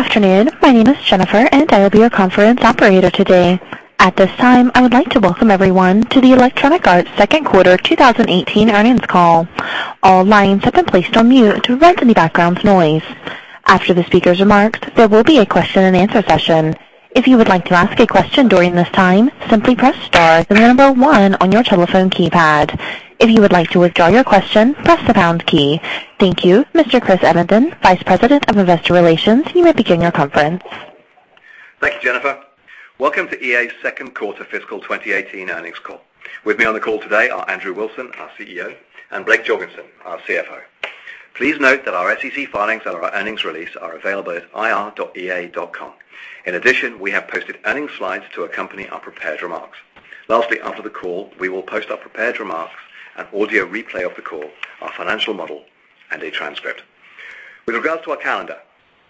Good afternoon. My name is Jennifer, and I will be your conference operator today. At this time, I would like to welcome everyone to the Electronic Arts second quarter 2018 earnings call. All lines have been placed on mute to prevent any background noise. After the speaker's remarks, there will be a question and answer session. If you would like to ask a question during this time, simply press star, then the number 1 on your telephone keypad. If you would like to withdraw your question, press the pound key. Thank you. Mr. Chris Evenden, Vice President of Investor Relations, you may begin your conference. Thank you, Jennifer. Welcome to EA's second quarter fiscal 2018 earnings call. With me on the call today are Andrew Wilson, our CEO, and Blake Jorgensen, our CFO. Please note that our SEC filings and our earnings release are available at ir.ea.com. In addition, we have posted earnings slides to accompany our prepared remarks. Lastly, after the call, we will post our prepared remarks, an audio replay of the call, our financial model, and a transcript. With regards to our calendar,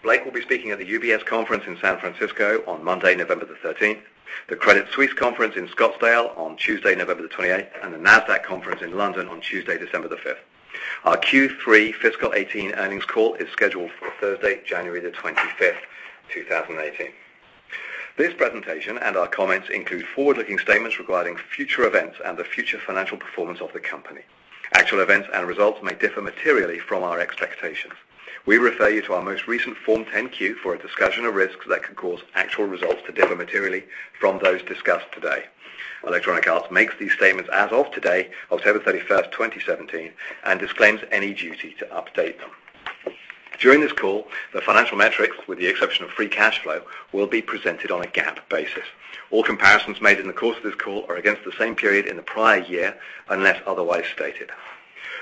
Blake will be speaking at the UBS conference in San Francisco on Monday, November the 13th, the Credit Suisse conference in Scottsdale on Tuesday, November the 28th, and the Nasdaq conference in London on Tuesday, December the 5th. Our Q3 fiscal 2018 earnings call is scheduled for Thursday, January the 25th, 2018. This presentation and our comments include forward-looking statements regarding future events and the future financial performance of the company. Actual events and results may differ materially from our expectations. We refer you to our most recent Form 10-Q for a discussion of risks that could cause actual results to differ materially from those discussed today. Electronic Arts makes these statements as of today, October 31st, 2017, and disclaims any duty to update them. During this call, the financial metrics, with the exception of free cash flow, will be presented on a GAAP basis. All comparisons made in the course of this call are against the same period in the prior year unless otherwise stated.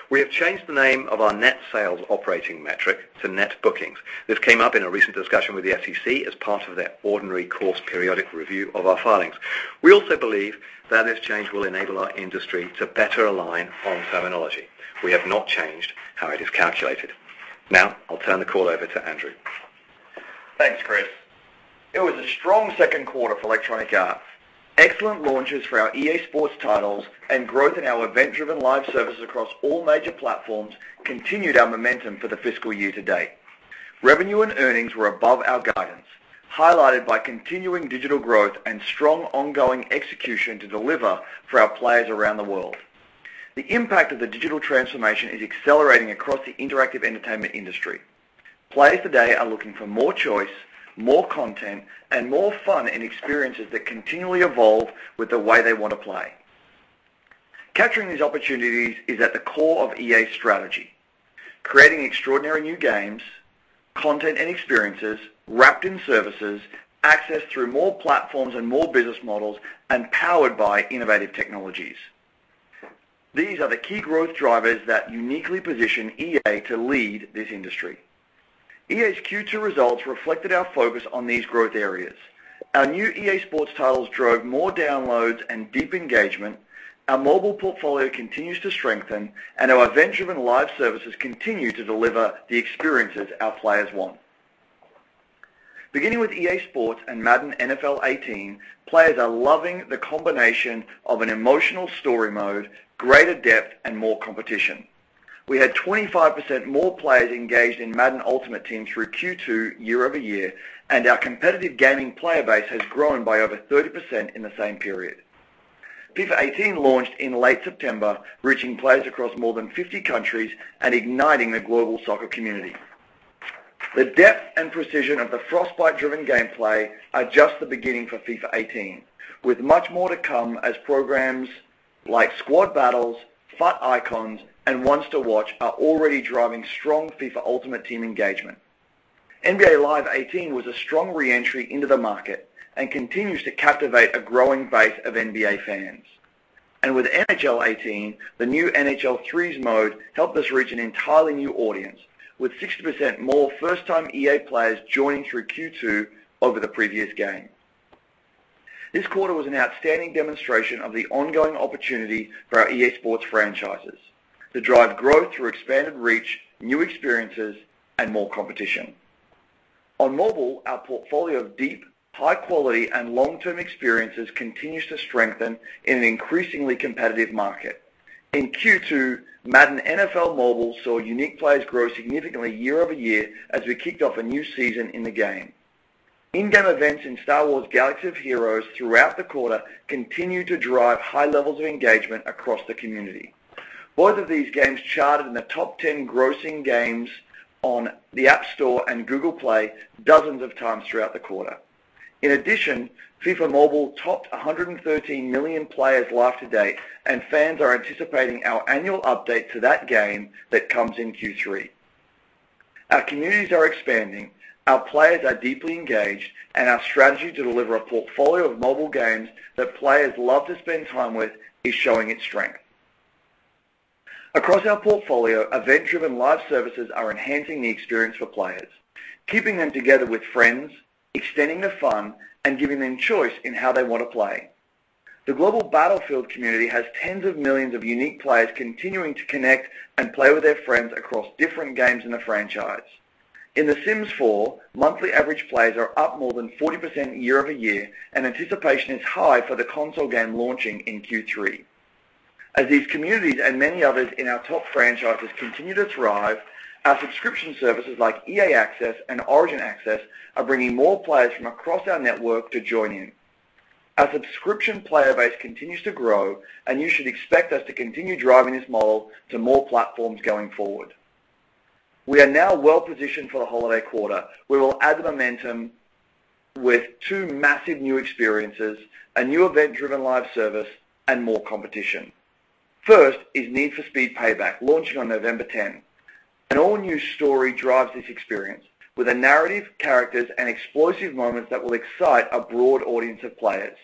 We have changed the name of our net sales operating metric to net bookings. This came up in a recent discussion with the SEC as part of their ordinary course periodic review of our filings. We also believe that this change will enable our industry to better align on terminology. We have not changed how it is calculated. Now, I'll turn the call over to Andrew. Thanks, Chris. It was a strong second quarter for Electronic Arts. Excellent launches for our EA Sports titles and growth in our event-driven live services across all major platforms continued our momentum for the fiscal year to date. Revenue and earnings were above our guidance, highlighted by continuing digital growth and strong ongoing execution to deliver for our players around the world. The impact of the digital transformation is accelerating across the interactive entertainment industry. Players today are looking for more choice, more content, and more fun in experiences that continually evolve with the way they want to play. Capturing these opportunities is at the core of EA's strategy: creating extraordinary new games, content and experiences wrapped in services, accessed through more platforms and more business models, and powered by innovative technologies. These are the key growth drivers that uniquely position EA to lead this industry. EA's Q2 results reflected our focus on these growth areas. Our new EA Sports titles drove more downloads and deep engagement. Our mobile portfolio continues to strengthen, and our event-driven live services continue to deliver the experiences our players want. Beginning with EA Sports and Madden NFL 18, players are loving the combination of an emotional story mode, greater depth, and more competition. We had 25% more players engaged in Madden Ultimate Team through Q2 year-over-year, and our competitive gaming player base has grown by over 30% in the same period. FIFA 18 launched in late September, reaching players across more than 50 countries and igniting the global soccer community. The depth and precision of the Frostbite-driven gameplay are just the beginning for FIFA 18, with much more to come as programs like Squad Battles, FUT Icons, and Ones to Watch are already driving strong FIFA Ultimate Team engagement. NBA Live 18 was a strong re-entry into the market and continues to captivate a growing base of NBA fans. With NHL 18, the new NHL Threes mode helped us reach an entirely new audience, with 60% more first-time EA players joining through Q2 over the previous game. This quarter was an outstanding demonstration of the ongoing opportunity for our EA Sports franchises to drive growth through expanded reach, new experiences, and more competition. On mobile, our portfolio of deep, high-quality, and long-term experiences continues to strengthen in an increasingly competitive market. In Q2, Madden NFL Mobile saw unique players grow significantly year-over-year as we kicked off a new season in the game. In-game events in Star Wars: Galaxy of Heroes throughout the quarter continued to drive high levels of engagement across the community. Both of these games charted in the top 10 grossing games on the App Store and Google Play dozens of times throughout the quarter. In addition, FIFA Mobile topped 113 million players live to date, and fans are anticipating our annual update to that game that comes in Q3. Our communities are expanding, our players are deeply engaged, and our strategy to deliver a portfolio of mobile games that players love to spend time with is showing its strength. Across our portfolio, event-driven live services are enhancing the experience for players, keeping them together with friends, extending the fun, and giving them choice in how they want to play. The global Battlefield community has tens of millions of unique players continuing to connect and play with their friends across different games in the franchise. In The Sims 4, monthly average players are up more than 40% year-over-year, and anticipation is high for the console game launching in Q3. As these communities and many others in our top franchises continue to thrive, our subscription services like EA Access and Origin Access are bringing more players from across our network to join in. Our subscription player base continues to grow, and you should expect us to continue driving this model to more platforms going forward. We are now well-positioned for the holiday quarter. We will add the momentum with two massive new experiences, a new event-driven live service, and more competition. First is Need for Speed Payback, launching on November 10. An all-new story drives this experience with narrative characters and explosive moments that will excite a broad audience of players.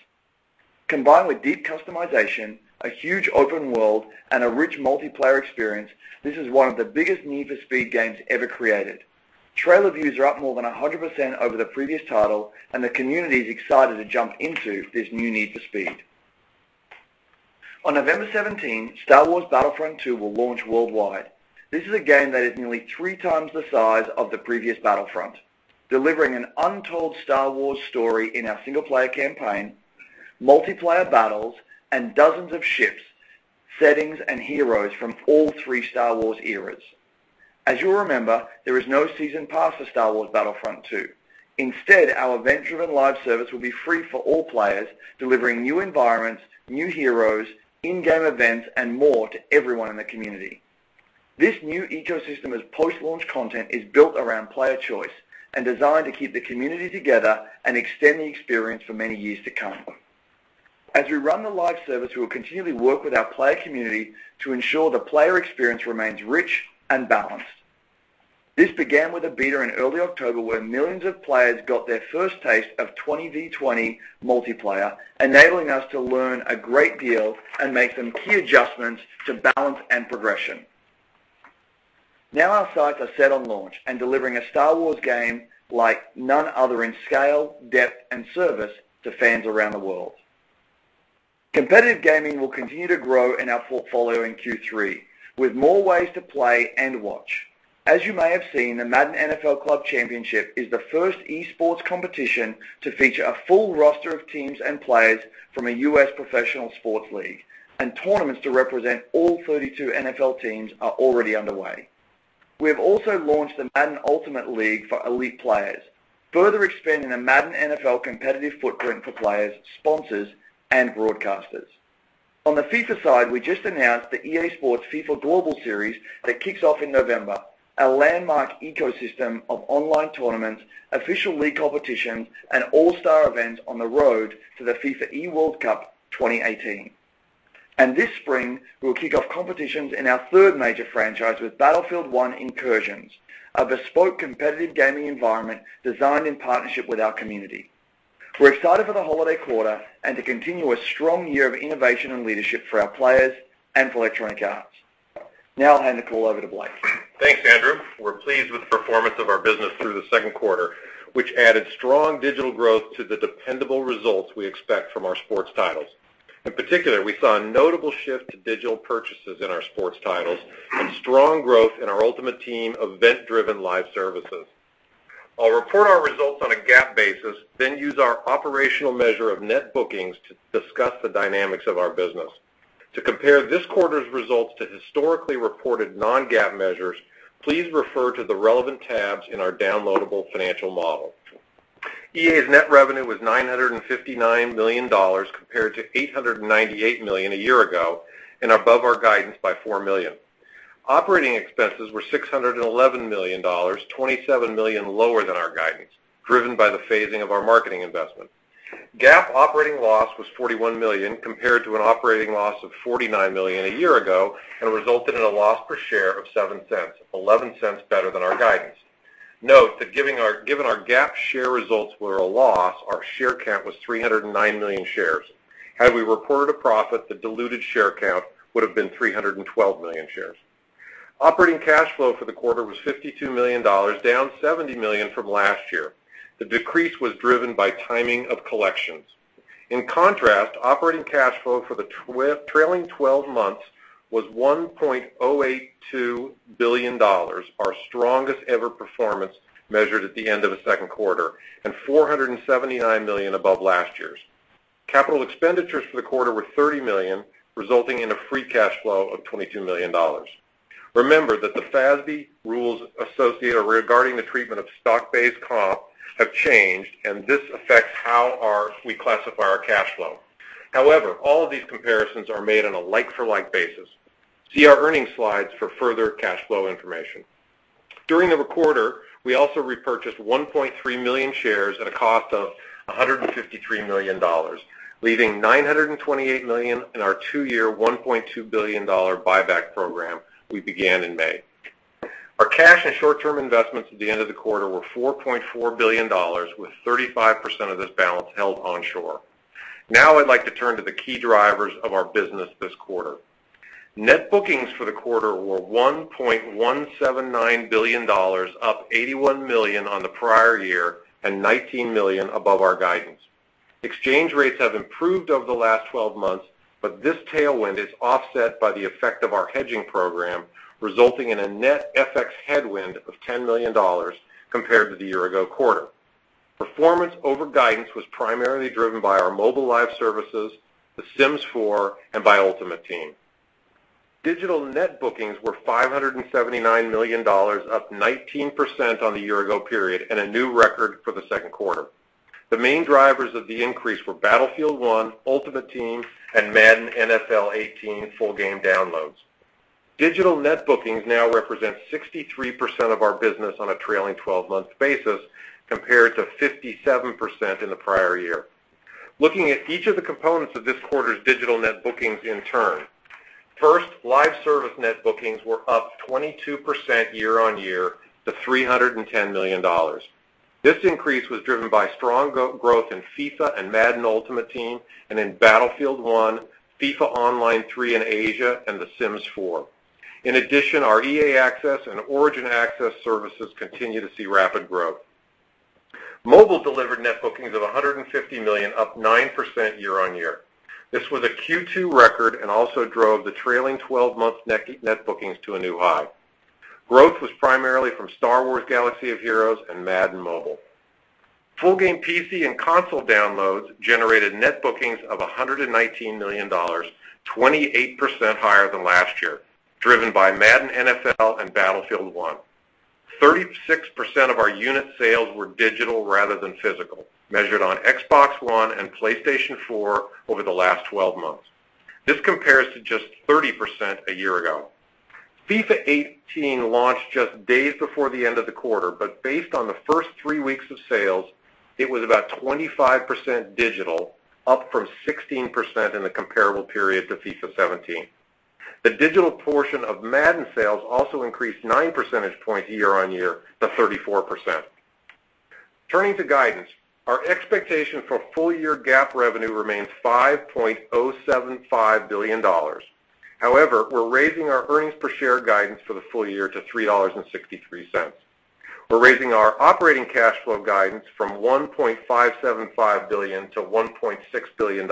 Combined with deep customization, a huge open world, and a rich multiplayer experience, this is one of the biggest Need for Speed games ever created. Trailer views are up more than 100% over the previous title, and the community is excited to jump into this new Need for Speed. On November 17, Star Wars Battlefront II will launch worldwide. This is a game that is nearly three times the size of the previous Battlefront, delivering an untold Star Wars story in our single-player campaign, multiplayer battles, and dozens of ships, settings, and heroes from all three Star Wars eras. As you'll remember, there is no season pass for Star Wars Battlefront II. Instead, our event-driven live service will be free for all players, delivering new environments, new heroes, in-game events, and more to everyone in the community. This new ecosystem as post-launch content is built around player choice and designed to keep the community together and extend the experience for many years to come. As we run the live service, we will continually work with our player community to ensure the player experience remains rich and balanced. This began with a beta in early October, where millions of players got their first taste of 20 v 20 multiplayer, enabling us to learn a great deal and make some key adjustments to balance and progression. Now our sights are set on launch and delivering a Star Wars game like none other in scale, depth, and service to fans around the world. Competitive gaming will continue to grow in our portfolio in Q3, with more ways to play and watch. As you may have seen, the Madden NFL Club Championship is the first esports competition to feature a full roster of teams and players from a U.S. professional sports league, and tournaments to represent all 32 NFL teams are already underway. We have also launched the Madden Ultimate League for elite players, further expanding the Madden NFL competitive footprint for players, sponsors, and broadcasters. On the FIFA side, we just announced the EA Sports FIFA Global Series that kicks off in November, a landmark ecosystem of online tournaments, official league competitions, and all-star events on the road to the FIFA eWorld Cup 2018. This spring, we'll kick off competitions in our third major franchise with Battlefield 1 Incursions, a bespoke competitive gaming environment designed in partnership with our community. We're excited for the holiday quarter and to continue a strong year of innovation and leadership for our players and for Electronic Arts. Now I'll hand the call over to Blake. Thanks, Andrew. We're pleased with the performance of our business through the second quarter, which added strong digital growth to the dependable results we expect from our sports titles. In particular, we saw a notable shift to digital purchases in our sports titles and strong growth in our Ultimate Team event-driven live services. I'll report our results on a GAAP basis, then use our operational measure of net bookings to discuss the dynamics of our business. To compare this quarter's results to historically reported non-GAAP measures, please refer to the relevant tabs in our downloadable financial model. EA's net revenue was $959 million, compared to $898 million a year ago, and above our guidance by $4 million. Operating expenses were $611 million, $27 million lower than our guidance, driven by the phasing of our marketing investment. GAAP operating loss was $41 million, compared to an operating loss of $49 million a year ago, and resulted in a loss per share of $0.07, $0.11 better than our guidance. Note that given our GAAP share results were a loss, our share count was 309 million shares. Had we reported a profit, the diluted share count would have been 312 million shares. Operating cash flow for the quarter was $52 million, down $70 million from last year. The decrease was driven by timing of collections. In contrast, operating cash flow for the trailing 12 months was $1.082 billion, our strongest-ever performance measured at the end of a second quarter, and $479 million above last year's. Capital expenditures for the quarter were $30 million, resulting in a free cash flow of $22 million. Remember that the FASB rules regarding the treatment of stock-based comp have changed, and this affects how we classify our cash flow. However, all of these comparisons are made on a like-for-like basis. See our earnings slides for further cash flow information. During the quarter, we also repurchased 1.3 million shares at a cost of $153 million, leaving $928 million in our two-year, $1.2 billion buyback program we began in May. Our cash and short-term investments at the end of the quarter were $4.4 billion, with 35% of this balance held onshore. Now I'd like to turn to the key drivers of our business this quarter. Net bookings for the quarter were $1.179 billion, up $81 million on the prior year and $19 million above our guidance. Exchange rates have improved over the last 12 months. This tailwind is offset by the effect of our hedging program, resulting in a net FX headwind of $10 million compared to the year-ago quarter. Performance over guidance was primarily driven by our mobile live services, The Sims 4, and by Ultimate Team. Digital net bookings were $579 million, up 19% on the year-ago period, and a new record for the second quarter. The main drivers of the increase were Battlefield 1, Ultimate Team, and Madden NFL 18 full game downloads. Digital net bookings now represent 63% of our business on a trailing 12-month basis, compared to 57% in the prior year. Looking at each of the components of this quarter's digital net bookings in turn. First, live service net bookings were up 22% year-on-year to $310 million. This increase was driven by strong growth in FIFA and Madden Ultimate Team and in Battlefield 1, FIFA Online 3 in Asia, and The Sims 4. Our EA Access and Origin Access services continue to see rapid growth. Mobile delivered net bookings of $150 million, up 9% year-on-year. This was a Q2 record and also drove the trailing 12-month net bookings to a new high. Growth was primarily from Star Wars: Galaxy of Heroes and Madden Mobile. Full game PC and console downloads generated net bookings of $119 million, 28% higher than last year, driven by Madden NFL and Battlefield 1. 36% of our unit sales were digital rather than physical, measured on Xbox One and PlayStation 4 over the last 12 months. This compares to just 30% a year ago. FIFA 18 launched just days before the end of the quarter. Based on the first three weeks of sales, it was about 25% digital, up from 16% in the comparable period to FIFA 17. The digital portion of Madden sales also increased nine percentage points year-on-year to 34%. Turning to guidance, our expectation for full-year GAAP revenue remains $5.075 billion. We're raising our earnings per share guidance for the full year to $3.63. We're raising our operating cash flow guidance from $1.575 billion to $1.6 billion.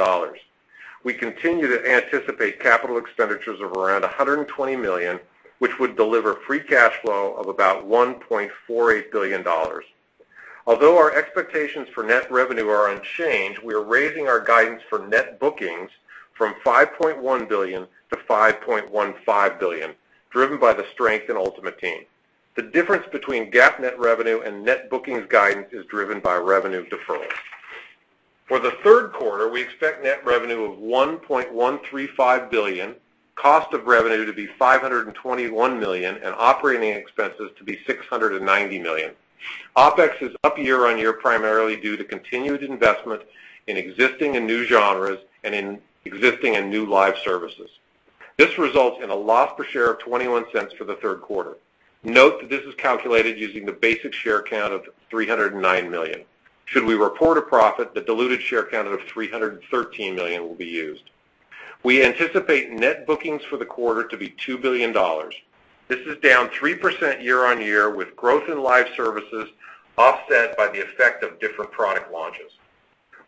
We continue to anticipate capital expenditures of around $120 million, which would deliver free cash flow of about $1.48 billion. Our expectations for net revenue are unchanged. We are raising our guidance for net bookings from $5.1 billion to $5.15 billion, driven by the strength in Ultimate Team. The difference between GAAP net revenue and net bookings guidance is driven by revenue deferral. For the third quarter, we expect net revenue of $1.135 billion, cost of revenue to be $521 million, and operating expenses to be $690 million. OpEx is up year-on-year, primarily due to continued investment in existing and new genres and in existing and new live services. This results in a loss per share of $0.21 for the third quarter. Note that this is calculated using the basic share count of 309 million. Should we report a profit, the diluted share count of 313 million will be used. We anticipate net bookings for the quarter to be $2 billion. This is down 3% year-on-year, with growth in live services offset by the effect of different product launches.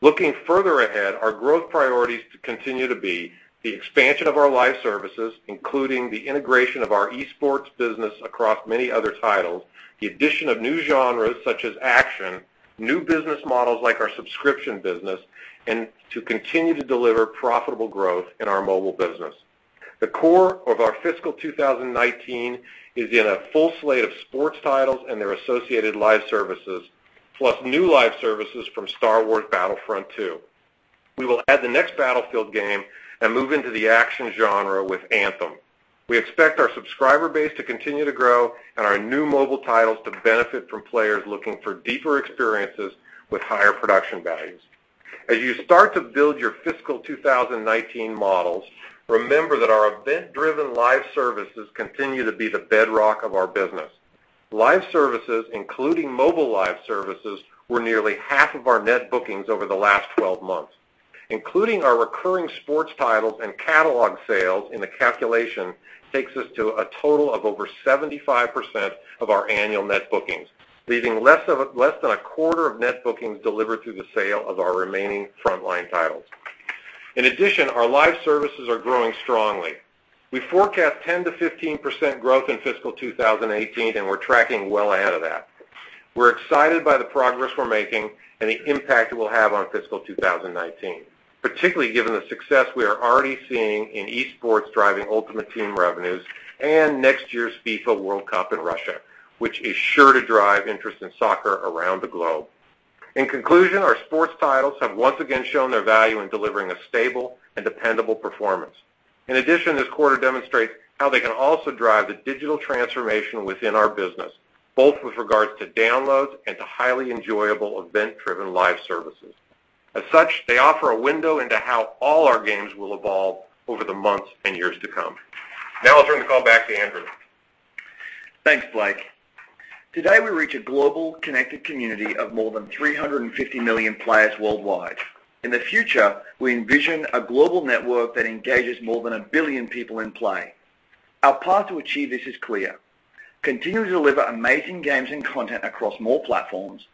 Looking further ahead, our growth priorities continue to be the expansion of our live services, including the integration of our esports business across many other titles, the addition of new genres such as action, new business models like our subscription business, and to continue to deliver profitable growth in our mobile business. The core of our fiscal 2019 is in a full slate of sports titles and their associated live services, plus new live services from Star Wars Battlefront II. We will add the next Battlefield game and move into the action genre with Anthem. We expect our subscriber base to continue to grow and our new mobile titles to benefit from players looking for deeper experiences with higher production values. As you start to build your fiscal 2019 models, remember that our event-driven live services continue to be the bedrock of our business. Live services, including mobile live services, were nearly half of our net bookings over the last 12 months. Including our recurring sports titles and catalog sales in the calculation takes us to a total of over 75% of our annual net bookings, leaving less than a quarter of net bookings delivered through the sale of our remaining frontline titles. In addition, our live services are growing strongly. We forecast 10%-15% growth in fiscal 2018, and we're tracking well ahead of that. We're excited by the progress we're making and the impact it will have on fiscal 2019, particularly given the success we are already seeing in esports driving Ultimate Team revenues and next year's FIFA World Cup in Russia, which is sure to drive interest in soccer around the globe. In conclusion, our sports titles have once again shown their value in delivering a stable and dependable performance. In addition, this quarter demonstrates how they can also drive the digital transformation within our business, both with regards to downloads and to highly enjoyable event-driven live services. As such, they offer a window into how all our games will evolve over the months and years to come. Now I'll turn the call back to Andrew. Thanks, Blake. Today, we reach a global connected community of more than 350 million players worldwide. In the future, we envision a global network that engages more than 1 billion people in play. Our path to achieve this is clear: continue to deliver amazing games and content across more platforms,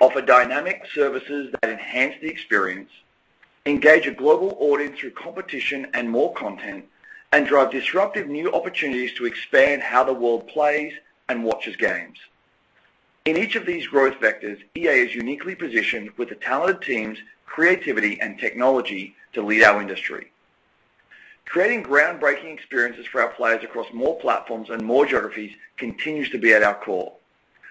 offer dynamic services that enhance the experience Engage a global audience through competition and more content, and drive disruptive new opportunities to expand how the world plays and watches games. In each of these growth vectors, EA is uniquely positioned with the talented teams, creativity, and technology to lead our industry. Creating groundbreaking experiences for our players across more platforms and more geographies continues to be at our core.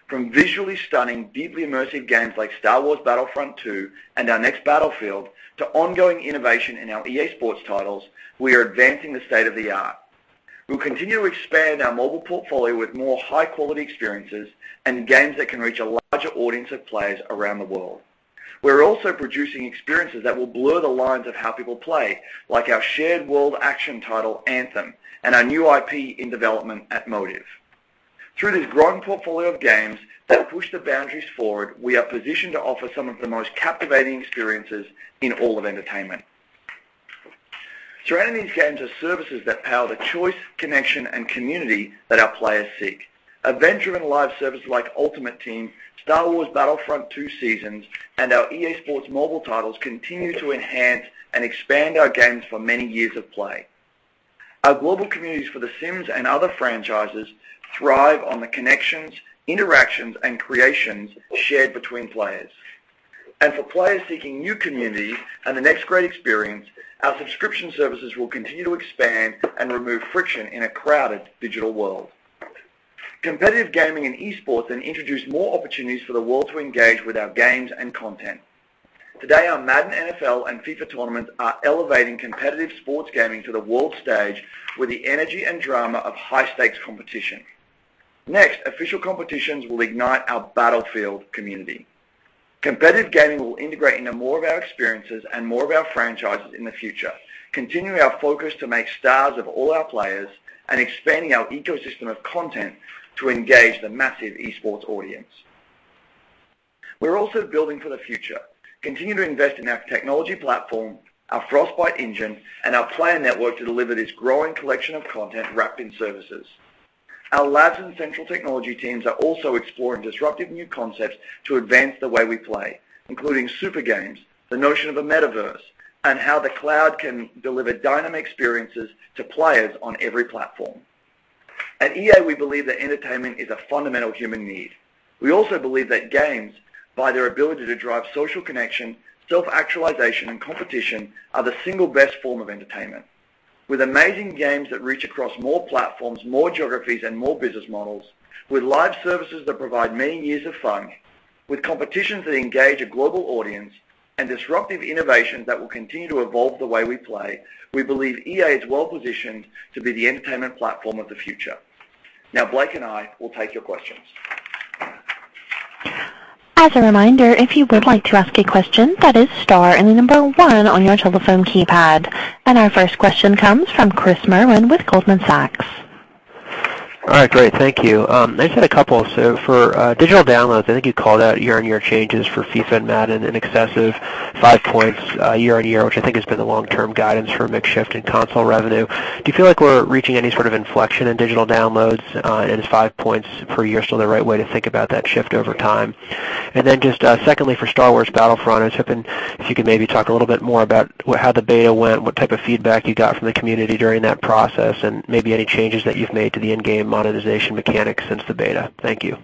From visually stunning, deeply immersive games like Star Wars Battlefront II and our next Battlefield, to ongoing innovation in our EA Sports titles, we are advancing the state-of-the-art. We'll continue to expand our mobile portfolio with more high-quality experiences and games that can reach a larger audience of players around the world. We're also producing experiences that will blur the lines of how people play, like our shared world action title, Anthem, and our new IP in development at Motive. Through this growing portfolio of games that push the boundaries forward, we are positioned to offer some of the most captivating experiences in all of entertainment. Surrounding these games are services that power the choice, connection, and community that our players seek. Adventure and live service like Ultimate Team, Star Wars Battlefront II seasons, and our EA Sports mobile titles continue to enhance and expand our games for many years of play. Our global communities for The Sims and other franchises thrive on the connections, interactions, and creations shared between players. For players seeking new community and the next great experience, our subscription services will continue to expand and remove friction in a crowded digital world. Competitive gaming and esports introduce more opportunities for the world to engage with our games and content. Today, our Madden NFL and FIFA tournaments are elevating competitive sports gaming to the world stage with the energy and drama of high-stakes competition. Next, official competitions will ignite our Battlefield community. Competitive gaming will integrate into more of our experiences and more of our franchises in the future, continuing our focus to make stars of all our players and expanding our ecosystem of content to engage the massive esports audience. We're also building for the future, continue to invest in our technology platform, our Frostbite engine, and our player network to deliver this growing collection of content wrapped in services. Our labs and central technology teams are also exploring disruptive new concepts to advance the way we play, including super games, the notion of a metaverse, and how the cloud can deliver dynamic experiences to players on every platform. At EA, we believe that entertainment is a fundamental human need. We also believe that games, by their ability to drive social connection, self-actualization, and competition, are the single best form of entertainment. With amazing games that reach across more platforms, more geographies, and more business models, with live services that provide many years of fun, with competitions that engage a global audience, and disruptive innovation that will continue to evolve the way we play, we believe EA is well-positioned to be the entertainment platform of the future. Now Blake and I will take your questions. As a reminder, if you would like to ask a question, that is star and the number one on your telephone keypad. Our first question comes from Chris Merwin with Goldman Sachs. All right. Great. Thank you. I just had a couple. For digital downloads, I think you called out year-on-year changes for FIFA and Madden in excess of five points year-on-year, which I think has been the long-term guidance for mix shift in console revenue. Do you feel like we're reaching any sort of inflection in digital downloads? Is five points per year still the right way to think about that shift over time? Just secondly, for Star Wars Battlefront, I was hoping if you could maybe talk a little bit more about how the beta went, what type of feedback you got from the community during that process, and maybe any changes that you've made to the in-game monetization mechanics since the beta. Thank you.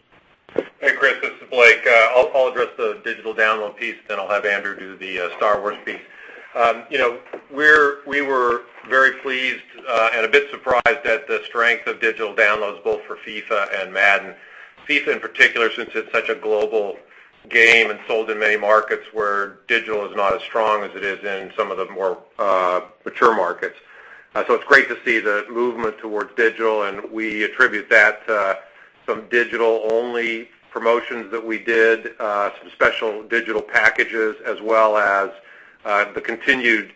Hey, Chris. This is Blake. I'll address the digital download piece, then I'll have Andrew do the Star Wars piece. We were very pleased and a bit surprised at the strength of digital downloads both for FIFA and Madden. FIFA in particular, since it's such a global game and sold in many markets where digital is not as strong as it is in some of the more mature markets. It's great to see the movement towards digital, and we attribute that to some digital-only promotions that we did, some special digital packages, as well as the continued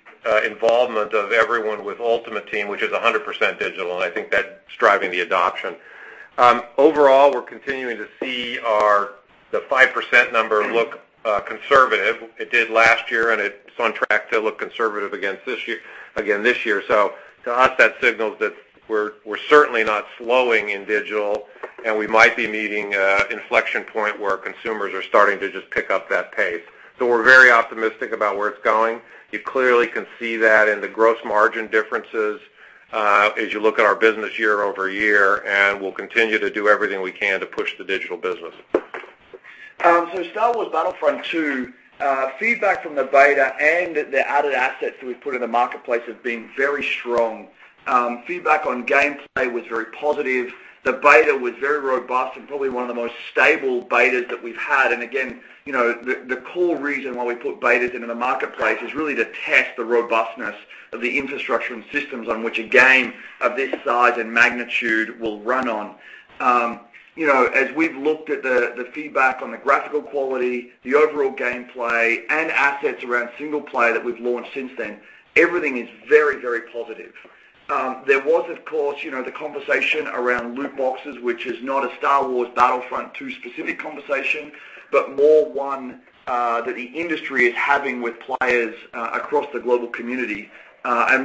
involvement of everyone with Ultimate Team, which is 100% digital. I think that's driving the adoption. Overall, we're continuing to see the 5% number look conservative. It did last year, and it's on track to look conservative again this year. To us, that signals that we're certainly not slowing in digital, and we might be meeting a inflection point where consumers are starting to just pick up that pace. We're very optimistic about where it's going. You clearly can see that in the gross margin differences as you look at our business year-over-year, and we'll continue to do everything we can to push the digital business. Star Wars Battlefront II, feedback from the beta and the added assets that we've put in the marketplace have been very strong. Feedback on gameplay was very positive. The beta was very robust and probably one of the most stable betas that we've had. Again, the core reason why we put betas into the marketplace is really to test the robustness of the infrastructure and systems on which a game of this size and magnitude will run on. As we've looked at the feedback on the graphical quality, the overall gameplay, and assets around single player that we've launched since then, everything is very positive. There was, of course, the conversation around loot boxes, which is not a Star Wars Battlefront II specific conversation, but more one that the industry is having with players across the global community.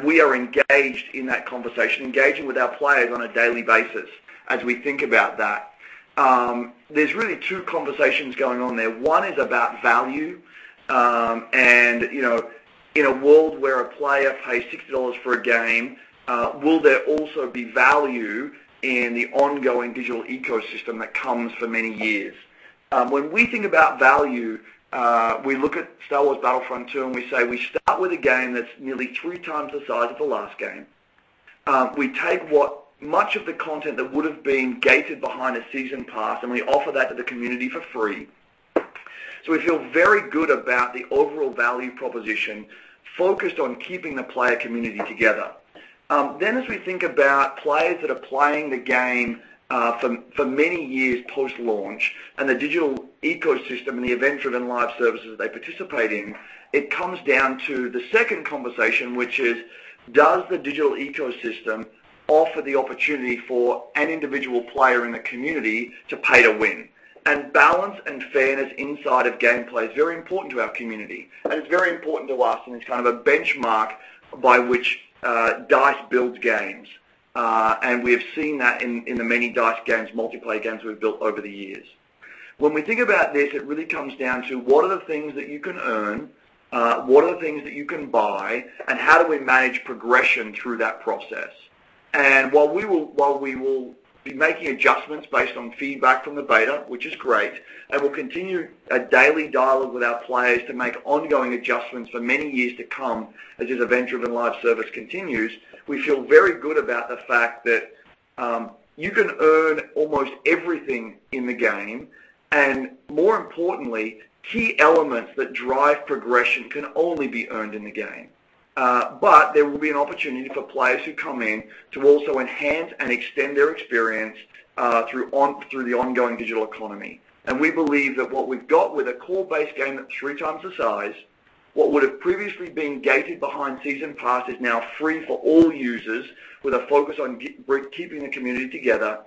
We are engaged in that conversation, engaging with our players on a daily basis as we think about that. There's really two conversations going on there. One is about value In a world where a player pays $60 for a game, will there also be value in the ongoing digital ecosystem that comes for many years? When we think about value, we look at Star Wars Battlefront II, and we say we start with a game that's nearly three times the size of the last game. We take what much of the content that would've been gated behind a season pass, and we offer that to the community for free. We feel very good about the overall value proposition focused on keeping the player community together. As we think about players that are playing the game for many years post-launch and the digital ecosystem and the event-driven live services they participate in, it comes down to the second conversation, which is, does the digital ecosystem offer the opportunity for an individual player in the community to pay to win? Balance and fairness inside of gameplay is very important to our community, and it's very important to us, and it's kind of a benchmark by which DICE builds games. We have seen that in the many DICE games, multiplayer games we've built over the years. When we think about this, it really comes down to what are the things that you can earn? What are the things that you can buy, and how do we manage progression through that process? While we will be making adjustments based on feedback from the beta, which is great, and we'll continue a daily dialogue with our players to make ongoing adjustments for many years to come, as this event-driven live service continues, we feel very good about the fact that you can earn almost everything in the game, and more importantly, key elements that drive progression can only be earned in the game. There will be an opportunity for players who come in to also enhance and extend their experience through the ongoing digital economy. We believe that what we've got with a core-based game that's three times the size, what would've previously been gated behind season pass is now free for all users with a focus on keeping the community together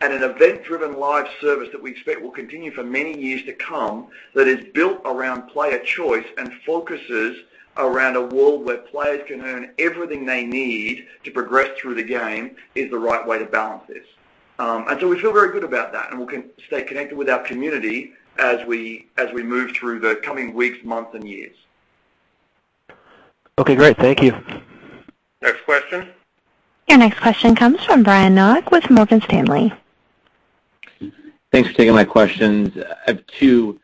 and an event-driven live service that we expect will continue for many years to come that is built around player choice and focuses around a world where players can earn everything they need to progress through the game is the right way to balance this. We feel very good about that, and we'll stay connected with our community as we move through the coming weeks, months, and years. Okay, great. Thank you. Next question. Your next question comes from Brian Nowak with Morgan Stanley. Thanks for taking my questions. I have two.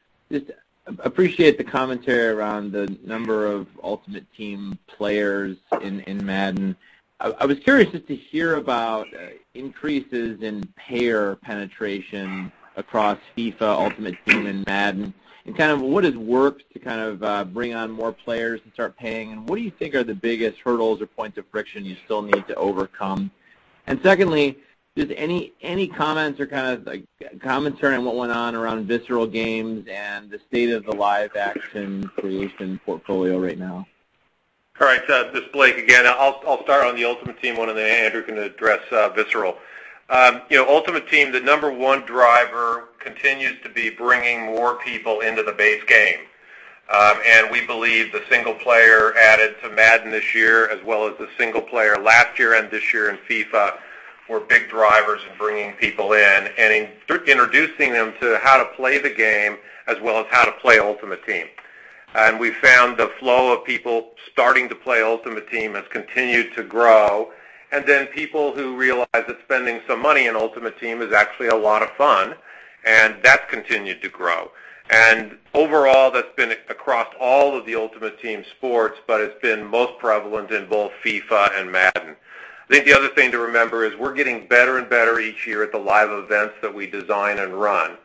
Just appreciate the commentary around the number of Ultimate Team players in Madden. I was curious just to hear about increases in payer penetration across FIFA Ultimate Team and Madden, and kind of what has worked to kind of bring on more players to start paying, and what do you think are the biggest hurdles or points of friction you still need to overcome? Secondly, just any comments or kind of like commentary on what went on around Visceral Games and the state of the live action creation portfolio right now? All right. This is Blake again. I'll start on the Ultimate Team one, then Andrew can address Visceral. Ultimate Team, the number one driver continues to be bringing more people into the base game. We believe the single player added to Madden this year, as well as the single player last year and this year in FIFA, were big drivers in bringing people in and introducing them to how to play the game, as well as how to play Ultimate Team. We found the flow of people starting to play Ultimate Team has continued to grow, then people who realize that spending some money on Ultimate Team is actually a lot of fun, and that's continued to grow. Overall, that's been across all of the Ultimate Team sports, but it's been most prevalent in both FIFA and Madden. I think the other thing to remember is we're getting better and better each year at the live events that we design and run.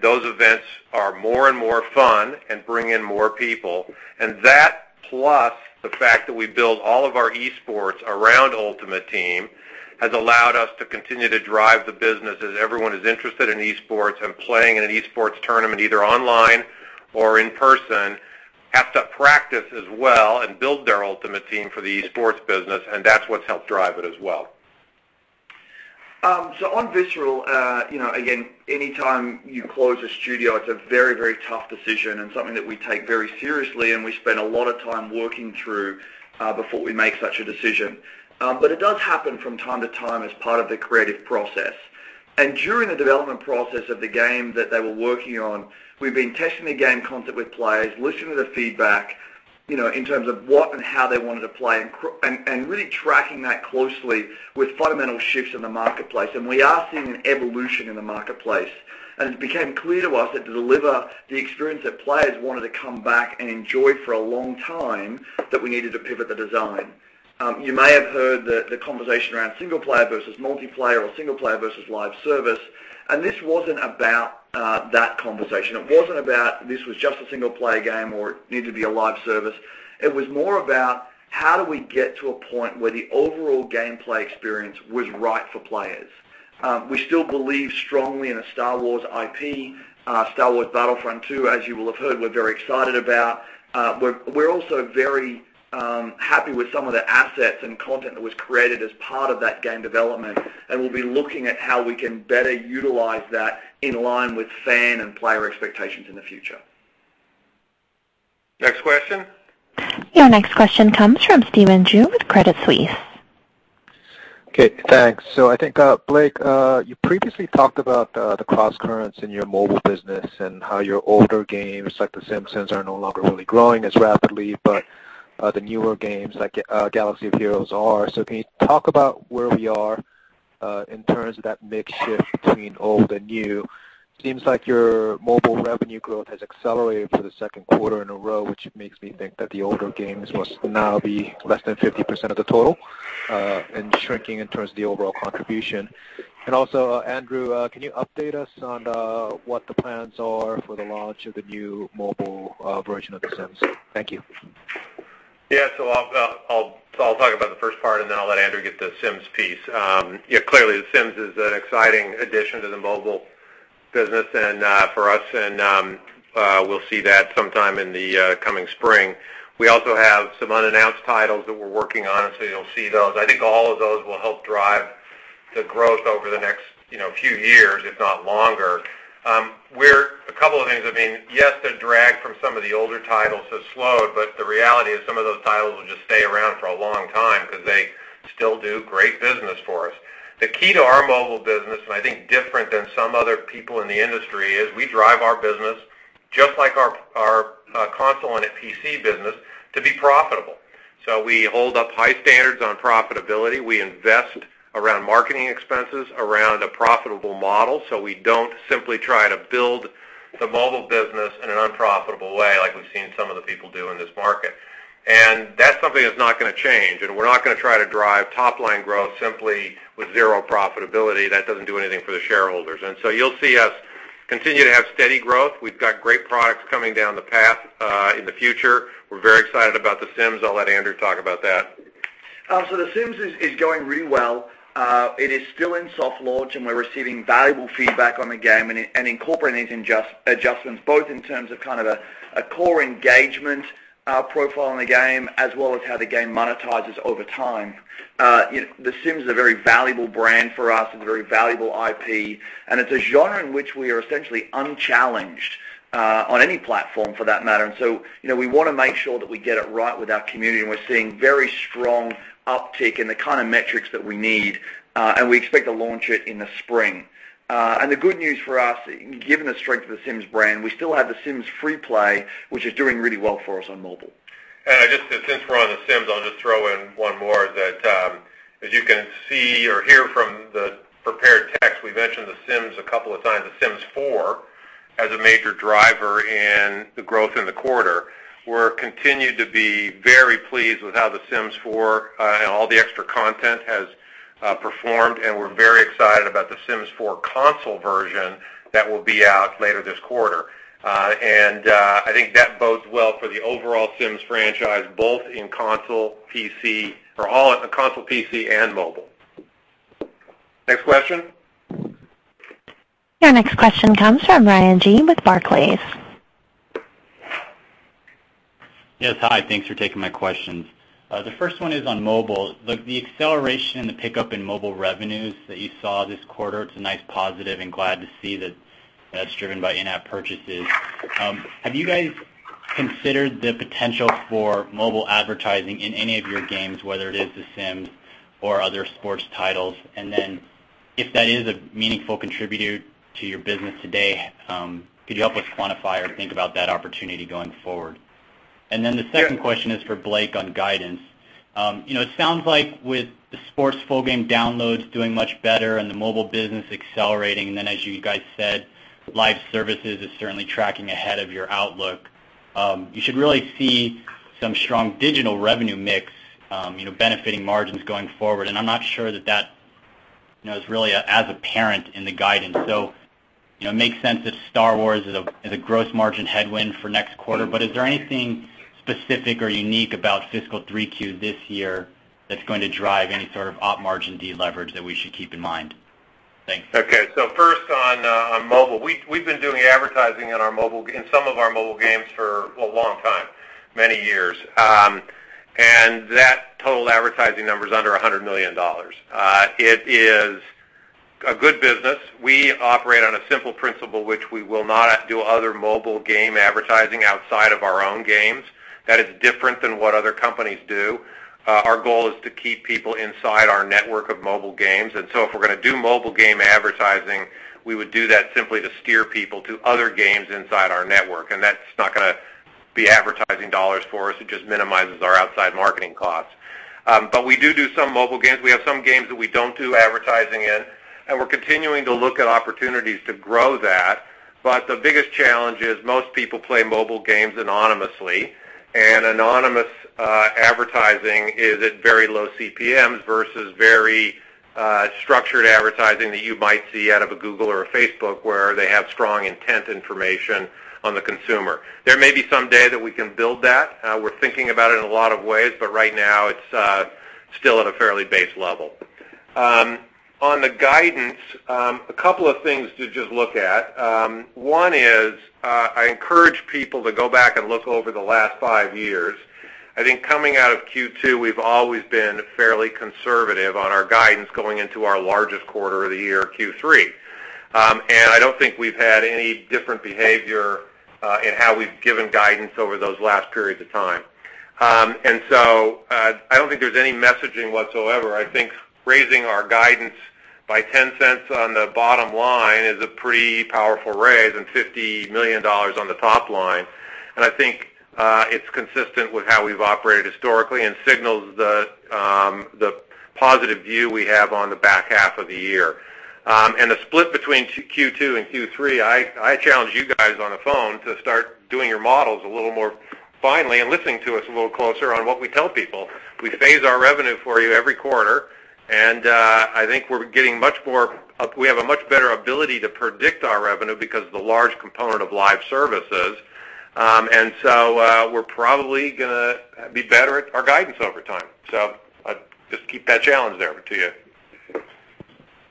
Those events are more and more fun and bring in more people. That, plus the fact that we build all of our esports around Ultimate Team, has allowed us to continue to drive the business as everyone who's interested in esports and playing in an esports tournament, either online or in person, have to practice as well and build their Ultimate Team for the esports business, and that's what's helped drive it as well. On Visceral, again, anytime you close a studio, it's a very, very tough decision and something that we take very seriously and we spend a lot of time working through before we make such a decision. It does happen from time to time as part of the creative process. During the development process of the game that they were working on, we've been testing the game content with players, listening to the feedback, in terms of what and how they wanted to play and really tracking that closely with fundamental shifts in the marketplace. We are seeing an evolution in the marketplace. It became clear to us that to deliver the experience that players wanted to come back and enjoy for a long time, that we needed to pivot the design. You may have heard the conversation around single player versus multiplayer or single player versus live service. This wasn't about that conversation. It wasn't about this was just a single-player game or it needed to be a live service. It was more about how do we get to a point where the overall gameplay experience was right for players. We still believe strongly in a Star Wars IP. Star Wars Battlefront II, as you will have heard, we're very excited about. We're also very happy with some of the assets and content that was created as part of that game development. We'll be looking at how we can better utilize that in line with fan and player expectations in the future. Next question. Your next question comes from Stephen Ju with Credit Suisse. Okay, thanks. I think, Blake, you previously talked about the cross-currents in your mobile business and how your older games, like The Simpsons, are no longer really growing as rapidly, but the newer games like Galaxy of Heroes are. Can you talk about where we are in terms of that mix shift between old and new? Seems like your mobile revenue growth has accelerated for the second quarter in a row, which makes me think that the older games must now be less than 50% of the total, and shrinking in terms of the overall contribution. Also, Andrew, can you update us on what the plans are for the launch of the new mobile version of The Sims? Thank you. I'll talk about the first part, and then I'll let Andrew get The Sims piece. Clearly, The Sims is an exciting addition to the mobile business and for us, and we'll see that sometime in the coming spring. We also have some unannounced titles that we're working on, so you'll see those. I think all of those will help drive the growth over the next few years, if not longer. A couple of things. Yes, the drag from some of the older titles has slowed, but the reality is some of those titles will just stay around for a long time because they still do great business for us. The key to our mobile business, and I think different than some other people in the industry, is we drive our business just like our console and PC business to be profitable. We hold up high standards on profitability. We invest around marketing expenses, around a profitable model. We don't simply try to build the mobile business in an unprofitable way like we've seen some of the people do in this market. That's something that's not going to change, and we're not going to try to drive top-line growth simply with zero profitability. That doesn't do anything for the shareholders. You'll see us continue to have steady growth. We've got great products coming down the path in the future. We're very excited about The Sims. I'll let Andrew talk about that. The Sims is going really well. It is still in soft launch, and we're receiving valuable feedback on the game and incorporating adjustments both in terms of kind of a core engagement profile in the game as well as how the game monetizes over time. The Sims is a very valuable brand for us and a very valuable IP, and it's a genre in which we are essentially unchallenged on any platform for that matter. We want to make sure that we get it right with our community, and we're seeing very strong uptick in the kind of metrics that we need, and we expect to launch it in the spring. The good news for us, given the strength of The Sims brand, we still have The Sims FreePlay, which is doing really well for us on mobile. Since we're on The Sims, I'll just throw in one more that as you can see or hear from the prepared text, we've mentioned The Sims a couple of times, The Sims 4, as a major driver in the growth in the quarter. We're continued to be very pleased with how The Sims 4 and all the extra content has performed, and we're very excited about The Sims 4 console version that will be out later this quarter. I think that bodes well for the overall Sims franchise, both in console, PC, and mobile. Next question? Your next question comes from Ryan Gee with Barclays. Yes, hi. Thanks for taking my questions. The first one is on mobile. The acceleration and the pickup in mobile revenues that you saw this quarter, it's a nice positive and glad to see that that's driven by in-app purchases. If that is a meaningful contributor to your business today, could you help us quantify or think about that opportunity going forward? The second question is for Blake on guidance. It sounds like with the sports full game downloads doing much better and the mobile business accelerating, as you guys said, live services is certainly tracking ahead of your outlook. You should really see some strong digital revenue mix benefiting margins going forward. I'm not sure that is really as apparent in the guidance. It makes sense that Star Wars is a gross margin headwind for next quarter. Is there anything specific or unique about fiscal 3Q this year that's going to drive any sort of op margin deleverage that we should keep in mind? Thanks. Okay. First on mobile. We've been doing advertising in some of our mobile games for a long time, many years. That total advertising number is under $100 million. It is a good business. We operate on a simple principle, which we will not do other mobile game advertising outside of our own games. That is different than what other companies do. Our goal is to keep people inside our network of mobile games. If we're going to do mobile game advertising, we would do that simply to steer people to other games inside our network, and that's not going to be advertising dollars for us. It just minimizes our outside marketing costs. We do do some mobile games. We have some games that we don't do advertising in, and we're continuing to look at opportunities to grow that. The biggest challenge is most people play mobile games anonymously, and anonymous advertising is at very low CPMs versus very structured advertising that you might see out of a Google or a Facebook where they have strong intent information on the consumer. There may be some day that we can build that. We're thinking about it in a lot of ways, but right now it's still at a fairly base level. On the guidance, a couple of things to just look at. One is, I encourage people to go back and look over the last five years. I think coming out of Q2, we've always been fairly conservative on our guidance going into our largest quarter of the year, Q3. I don't think we've had any different behavior in how we've given guidance over those last periods of time. I don't think there's any messaging whatsoever. I think raising our guidance by $0.10 on the bottom line is a pretty powerful raise and $50 million on the top line. I think it's consistent with how we've operated historically and signals the positive view we have on the back half of the year. The split between Q2 and Q3, I challenge you guys on the phone to start doing your models a little more finely and listening to us a little closer on what we tell people. We phase our revenue for you every quarter, and I think we have a much better ability to predict our revenue because of the large component of live services. We're probably going to be better at our guidance over time. I'd just keep that challenge there to you.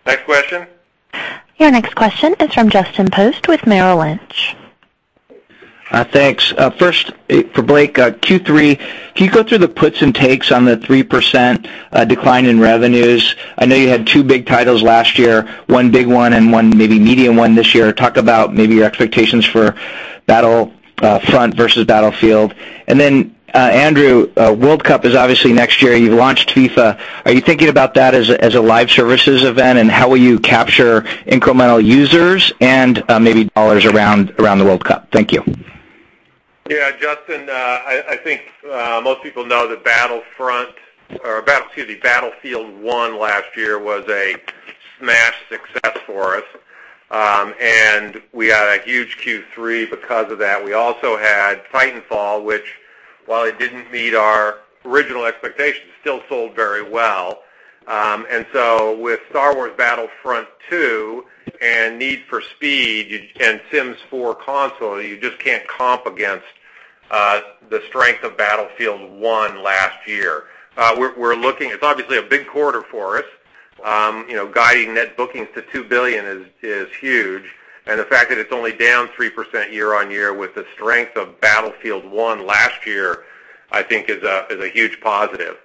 Next question. Your next question is from Justin Post with Merrill Lynch. Thanks. First, for Blake, Q3, can you go through the puts and takes on the 3% decline in revenues? I know you had two big titles last year, one big one and one maybe medium one this year. Talk about maybe your expectations for Battlefront versus Battlefield. Then Andrew, World Cup is obviously next year. You've launched FIFA. Are you thinking about that as a live services event and how will you capture incremental users and maybe dollars around the World Cup? Thank you. Justin. I think most people know that Battlefield 1 last year was a smash success for us. We had a huge Q3 because of that. We also had Titanfall, which while it didn't meet our original expectations, still sold very well. With Star Wars Battlefront II and Need for Speed and Sims 4 console, you just can't comp against the strength of Battlefield 1 last year. It's obviously a big quarter for us. Guiding net bookings to $2 billion is huge, and the fact that it's only down 3% year-over-year with the strength of Battlefield 1 last year, I think is a huge positive.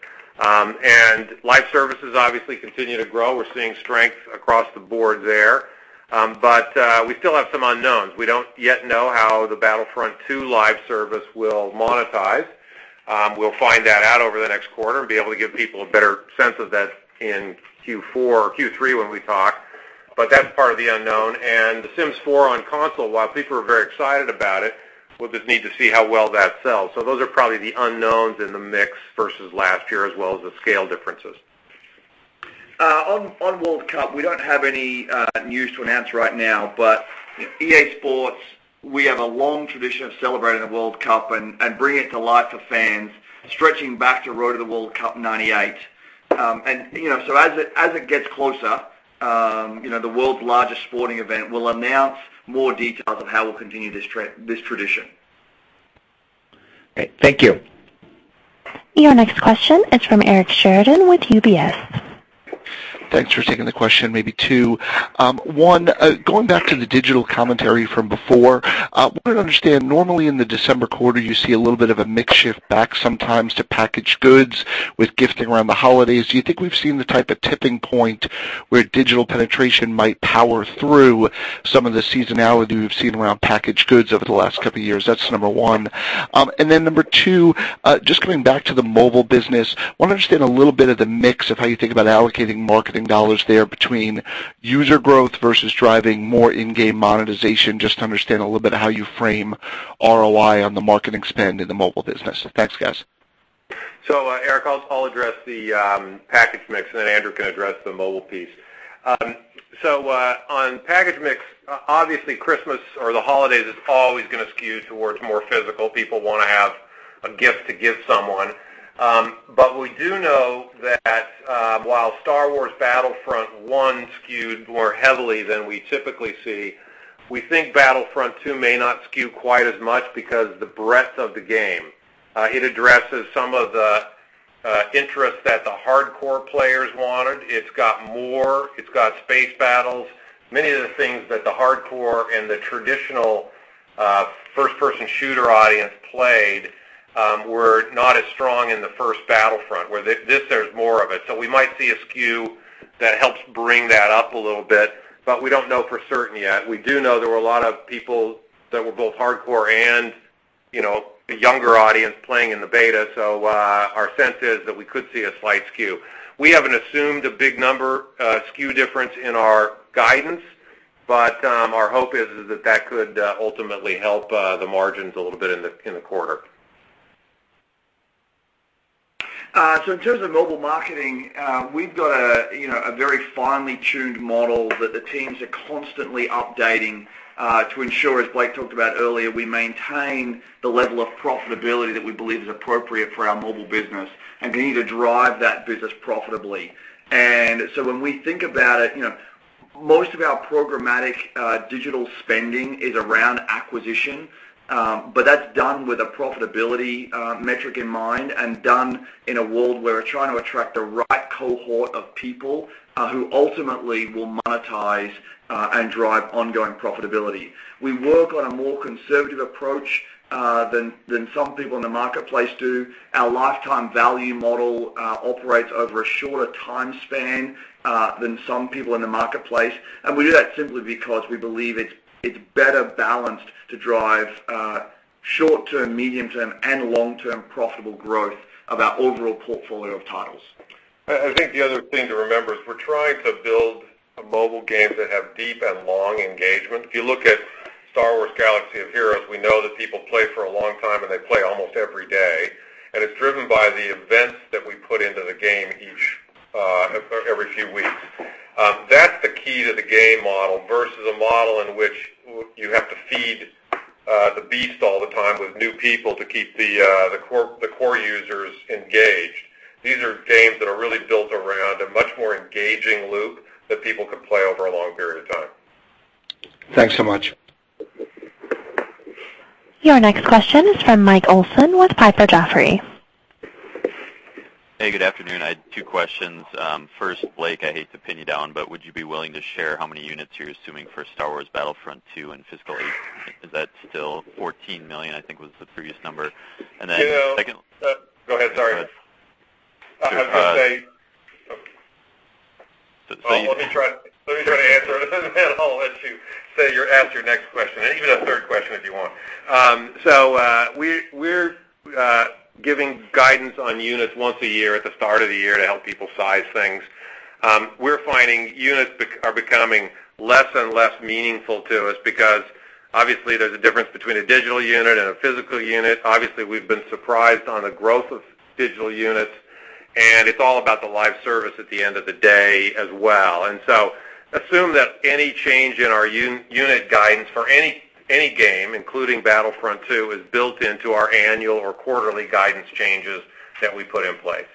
Live services obviously continue to grow. We're seeing strength across the board there. We still have some unknowns. We don't yet know how the Battlefront II live service will monetize. We'll find that out over the next quarter and be able to give people a better sense of that in Q4 or Q3 when we talk. That's part of the unknown. The Sims 4 on console, while people are very excited about it, we'll just need to see how well that sells. Those are probably the unknowns in the mix versus last year as well as the scale differences. On World Cup, we don't have any news to announce right now. EA Sports, we have a long tradition of celebrating the World Cup and bringing it to life for fans, stretching back to Road to the World Cup 98. As it gets closer, the world's largest sporting event, we'll announce more details on how we'll continue this tradition. Okay. Thank you. Your next question is from Eric Sheridan with UBS. Thanks for taking the question, maybe two. One, going back to the digital commentary from before, I wanted to understand, normally in the December quarter, you see a little bit of a mix shift back sometimes to packaged goods with gifting around the holidays. Do you think we've seen the type of tipping point where digital penetration might power through some of the seasonality we've seen around packaged goods over the last couple of years? That's number 1. Then number 2, just coming back to the mobile business. Want to understand a little bit of the mix of how you think about allocating marketing dollars there between user growth versus driving more in-game monetization, just to understand a little bit how you frame ROI on the marketing spend in the mobile business. Thanks, guys. Eric, I'll address the package mix, and then Andrew can address the mobile piece. On package mix, obviously Christmas or the holidays is always going to skew towards more physical. People want to have a gift to give someone. We do know that while Star Wars Battlefront 1 skewed more heavily than we typically see, we think Battlefront 2 may not skew quite as much because the breadth of the game. It addresses some of the interest that the hardcore players wanted. It's got more, it's got space battles. Many of the things that the hardcore and the traditional first-person shooter audience played were not as strong in the first Battlefront, where this there's more of it. We might see a skew that helps bring that up a little bit, but we don't know for certain yet. We do know there were a lot of people that were both hardcore and the younger audience playing in the beta. Our sense is that we could see a slight skew. We haven't assumed a big number skew difference in our guidance, but our hope is that could ultimately help the margins a little bit in the quarter. In terms of mobile marketing, we've got a very finely tuned model that the teams are constantly updating to ensure, as Blake talked about earlier, we maintain the level of profitability that we believe is appropriate for our mobile business and continue to drive that business profitably. When we think about it, most of our programmatic digital spending is around acquisition. That's done with a profitability metric in mind and done in a world where we're trying to attract the right cohort of people who ultimately will monetize and drive ongoing profitability. We work on a more conservative approach than some people in the marketplace do. Our lifetime value model operates over a shorter time span than some people in the marketplace. We do that simply because we believe it's better balanced to drive short-term, medium-term, and long-term profitable growth of our overall portfolio of titles. I think the other thing to remember is we're trying to build mobile games that have deep and long engagement. If you look at Star Wars: Galaxy of Heroes, we know that people play for a long time, and they play almost every day. It's driven by the events that we put into the game every few weeks. That's the key to the game model versus a model in which you have to feed the beast all the time with new people to keep the core users engaged. These are games that are really built around a much more engaging loop that people can play over a long period of time. Thanks so much. Your next question is from Michael Olson with Piper Jaffray. Hey, good afternoon. I had two questions. First, Blake, I hate to pin you down, but would you be willing to share how many units you're assuming for Star Wars Battlefront II in fiscal 2018? Is that still 14 million, I think was the previous number? Go ahead, sorry. Go ahead. I was going to say you- Let me try to answer, and then I'll let you ask your next question, and even a third question if you want. We're giving guidance on units once a year at the start of the year to help people size things. We're finding units are becoming less and less meaningful to us because obviously, there's a difference between a digital unit and a physical unit. Obviously, we've been surprised on the growth of digital units, and it's all about the live service at the end of the day as well. Assume that any change in our unit guidance for any game, including Battlefront II, is built into our annual or quarterly guidance changes that we put in place.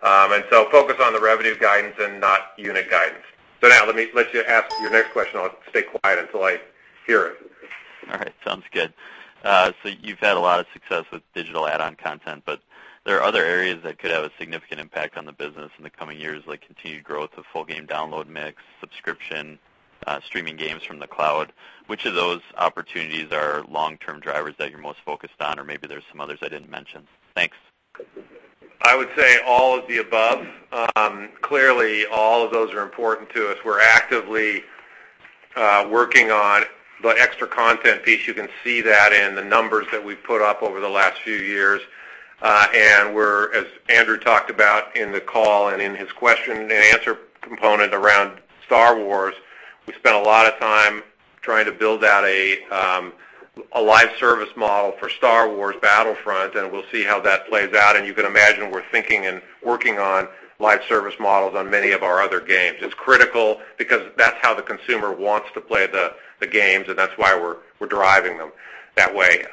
Focus on the revenue guidance and not unit guidance. Now let me let you ask your next question. I'll stay quiet until I hear it. All right, sounds good. You've had a lot of success with digital add-on content, but there are other areas that could have a significant impact on the business in the coming years, like continued growth of full game download mix, subscription, streaming games from the cloud. Which of those opportunities are long-term drivers that you're most focused on? Or maybe there's some others I didn't mention. Thanks. I would say all of the above. Clearly, all of those are important to us. We're actively working on the extra content piece. You can see that in the numbers that we've put up over the last few years. As Andrew talked about in the call and in his question-and-answer component around Star Wars, we spent a lot of time trying to build out a live service model for Star Wars Battlefront, and we'll see how that plays out. You can imagine we're thinking and working on live service models on many of our other games. It's critical because that's how the consumer wants to play the games, and that's why we're driving them that way.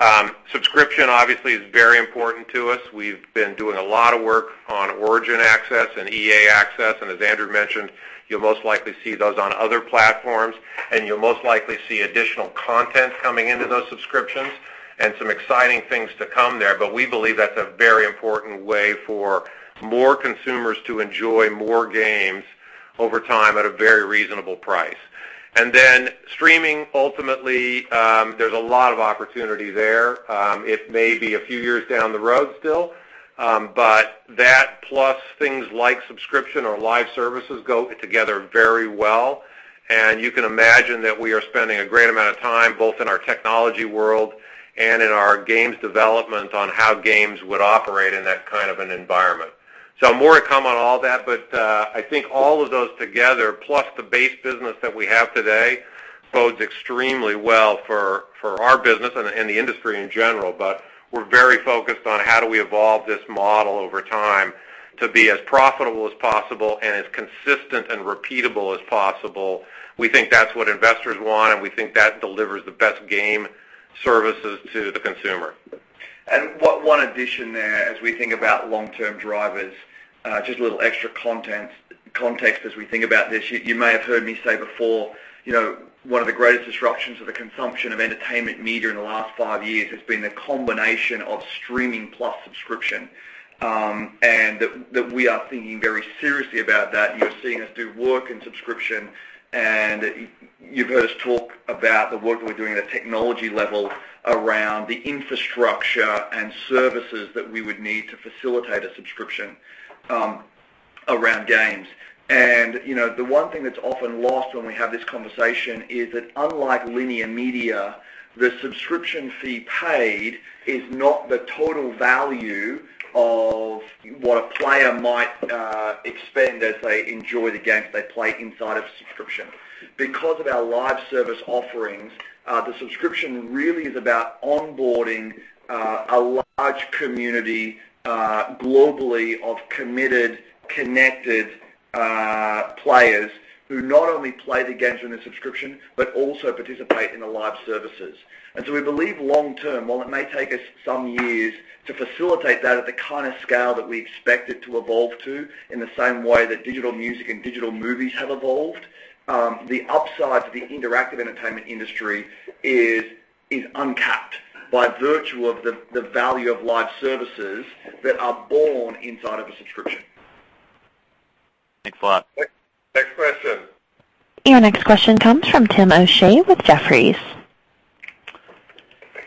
Subscription, obviously, is very important to us. We've been doing a lot of work on Origin Access and EA Access. As Andrew mentioned, you'll most likely see those on other platforms, and you'll most likely see additional content coming into those subscriptions and some exciting things to come there. We believe that's a very important way for more consumers to enjoy more games over time at a very reasonable price. Then streaming, ultimately, there's a lot of opportunity there. It may be a few years down the road still, but that plus things like subscription or live services go together very well. You can imagine that we are spending a great amount of time, both in our technology world and in our games development, on how games would operate in that kind of an environment. More to come on all that, but I think all of those together, plus the base business that we have today, bodes extremely well for our business and the industry in general. We're very focused on how do we evolve this model over time to be as profitable as possible and as consistent and repeatable as possible. We think that's what investors want, and we think that delivers the best game services to the consumer. One addition there as we think about long-term drivers, just a little extra context as we think about this. You may have heard me say before, one of the greatest disruptions of the consumption of entertainment media in the last five years has been the combination of streaming plus subscription, and that we are thinking very seriously about that. You're seeing us do work in subscription, you've heard us talk about the work we're doing at a technology level around the infrastructure and services that we would need to facilitate a subscription around games. The one thing that's often lost when we have this conversation is that unlike linear media, the subscription fee paid is not the total value of what a player might expend as they enjoy the games they play inside of a subscription. Because of our live service offerings, the subscription really is about onboarding a large community globally of committed, connected players who not only play the games in the subscription, but also participate in the live services. We believe long-term, while it may take us some years to facilitate that at the kind of scale that we expect it to evolve to in the same way that digital music and digital movies have evolved, the upside to the interactive entertainment industry is uncapped by virtue of the value of live services that are born inside of a subscription. Thanks a lot. Next question. Your next question comes from Timothy O'Shea with Jefferies.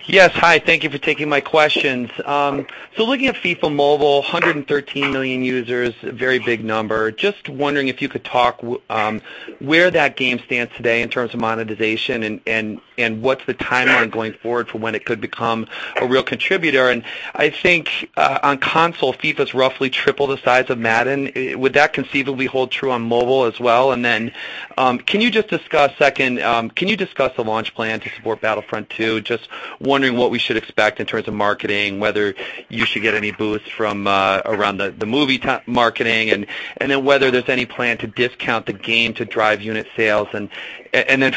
Yes. Hi, thank you for taking my questions. Looking at FIFA Mobile, 113 million users, a very big number. Just wondering if you could talk where that game stands today in terms of monetization and what's the timeline going forward for when it could become a real contributor. I think on console, FIFA's roughly triple the size of Madden. Would that conceivably hold true on mobile as well? Can you just discuss, second, can you discuss the launch plan to support Star Wars Battlefront II? Just wondering what we should expect in terms of marketing, whether you should get any boost from around the movie marketing, and then whether there's any plan to discount the game to drive unit sales.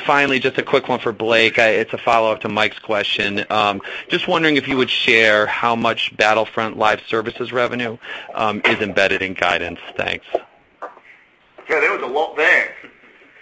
Finally, just a quick one for Blake. It's a follow-up to Mike's question. Just wondering if you would share how much Star Wars Battlefront II live services revenue is embedded in guidance. Thanks. Okay, there was a lot there.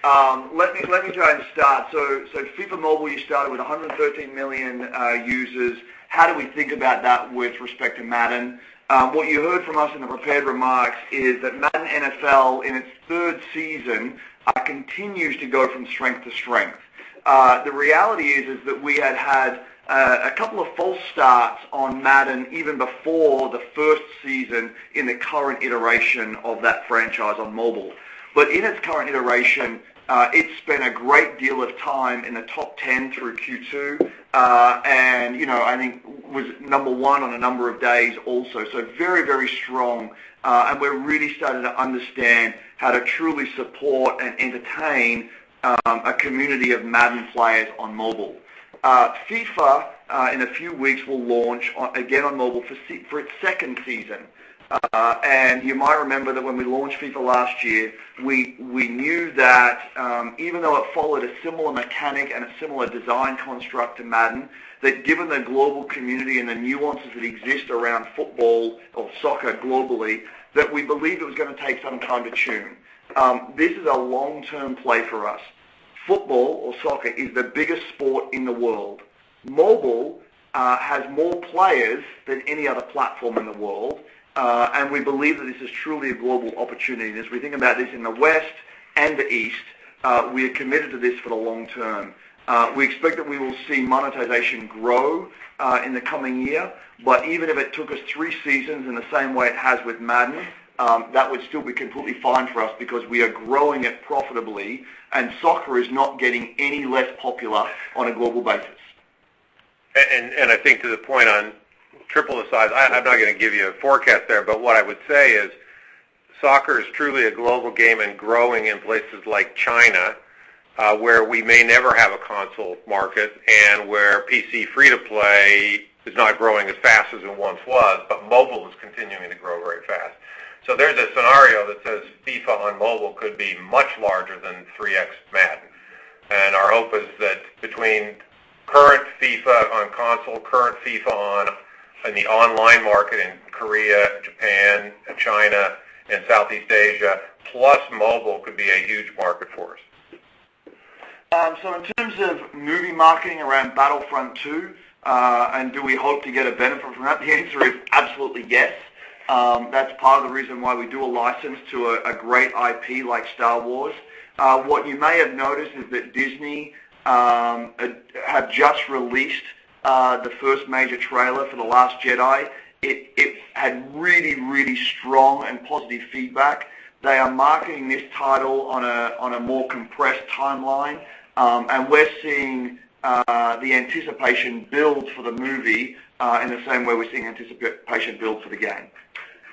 Let me try and start. FIFA Mobile, you started with 113 million users. How do we think about that with respect to Madden? What you heard from us in the prepared remarks is that Madden NFL, in its third season, continues to go from strength to strength. The reality is that we had had a couple of false starts on Madden even before the first season in the current iteration of that franchise on mobile. In its current iteration, it spent a great deal of time in the top 10 through Q2. I think was number one on a number of days also. Very strong, and we're really starting to understand how to truly support and entertain a community of Madden players on mobile. FIFA, in a few weeks, will launch again on mobile for its second season. You might remember that when we launched FIFA last year, we knew that even though it followed a similar mechanic and a similar design construct to Madden, that given the global community and the nuances that exist around football or soccer globally, that we believed it was going to take some time to tune. This is a long-term play for us. Football or soccer is the biggest sport in the world. Mobile has more players than any other platform in the world. We believe that this is truly a global opportunity and as we think about this in the West and the East, we are committed to this for the long term. We expect that we will see monetization grow in the coming year, but even if it took us three seasons in the same way it has with Madden, that would still be completely fine for us because we are growing it profitably and soccer is not getting any less popular on a global basis. I think to the point on 3x the size, I'm not going to give you a forecast there, but what I would say is soccer is truly a global game and growing in places like China, where we may never have a console market and where PC free-to-play is not growing as fast as it once was, but mobile is continuing to grow very fast. There's a scenario that says FIFA on mobile could be much larger than 3x Madden. Our hope is that between current FIFA on console, current FIFA on the online market in Korea, Japan, China, and Southeast Asia, plus mobile could be a huge market for us. In terms of movie marketing around Battlefront 2, and do we hope to get a benefit from that? The answer is absolutely yes. That's part of the reason why we do a license to a great IP like Star Wars. What you may have noticed is that Disney have just released the first major trailer for The Last Jedi. It had really strong and positive feedback. They are marketing this title on a more compressed timeline. We're seeing the anticipation build for the movie in the same way we're seeing anticipation build for the game.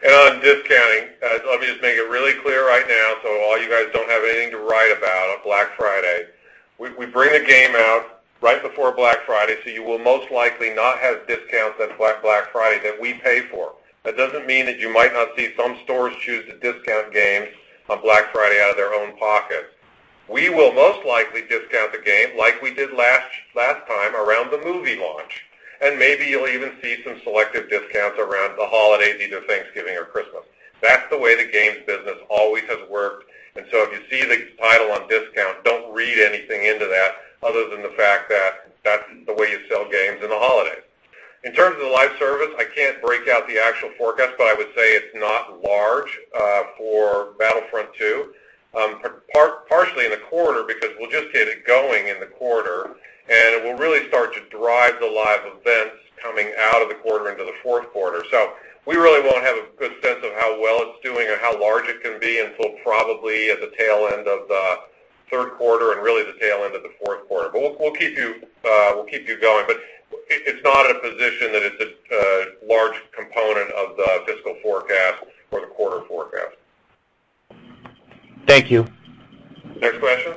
On discounting, let me just make it really clear right now so all you guys don't have anything to write about on Black Friday. We bring the game out right before Black Friday, so you will most likely not have discounts on Black Friday that we pay for. That doesn't mean that you might not see some stores choose to discount games on Black Friday out of their own pocket. We will most likely discount the game like we did last time around the movie launch. Maybe you'll even see some selective discounts around the holidays, either Thanksgiving or Christmas. That's the way the games business always has worked, and so if you see the title on discount, don't read anything into that other than the fact that that's the way you sell games in the holidays. In terms of the live service, I can't break out the actual forecast, but I would say it's not large for Star Wars Battlefront II. Partially in the quarter because we'll just get it going in the quarter, and it will really start to drive the live events coming out of the quarter into the fourth quarter. We really won't have a good sense of how well it's doing or how large it can be until probably at the tail end of the third quarter and really the tail end of the fourth quarter. We'll keep you going. It's not in a position that it's a large component of the fiscal forecast or the quarter forecast. Thank you. Next question.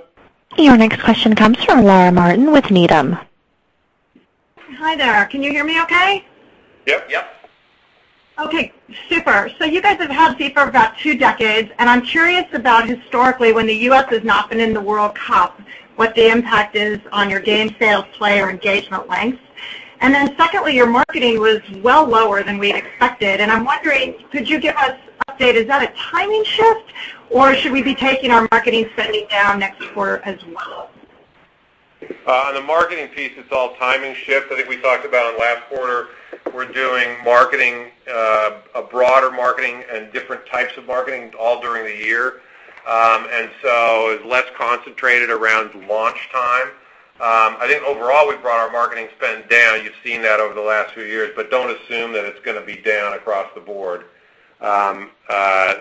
Your next question comes from Laura Martin with Needham. Hi there. Can you hear me okay? Yep. Yep. Okay, super. You guys have had FIFA for about 2 decades, and I'm curious about historically when the U.S. has not been in the World Cup, what the impact is on your game sales, player engagement lengths. Secondly, your marketing was well lower than we expected, and I'm wondering, could you give us update? Is that a timing shift, or should we be taking our marketing spending down next quarter as well? On the marketing piece, it's all timing shift. I think we talked about in last quarter, we're doing marketing a broader marketing and different types of marketing all during the year. It's less concentrated around launch time. I think overall, we've brought our marketing spend down. You've seen that over the last few years, but don't assume that it's going to be down across the board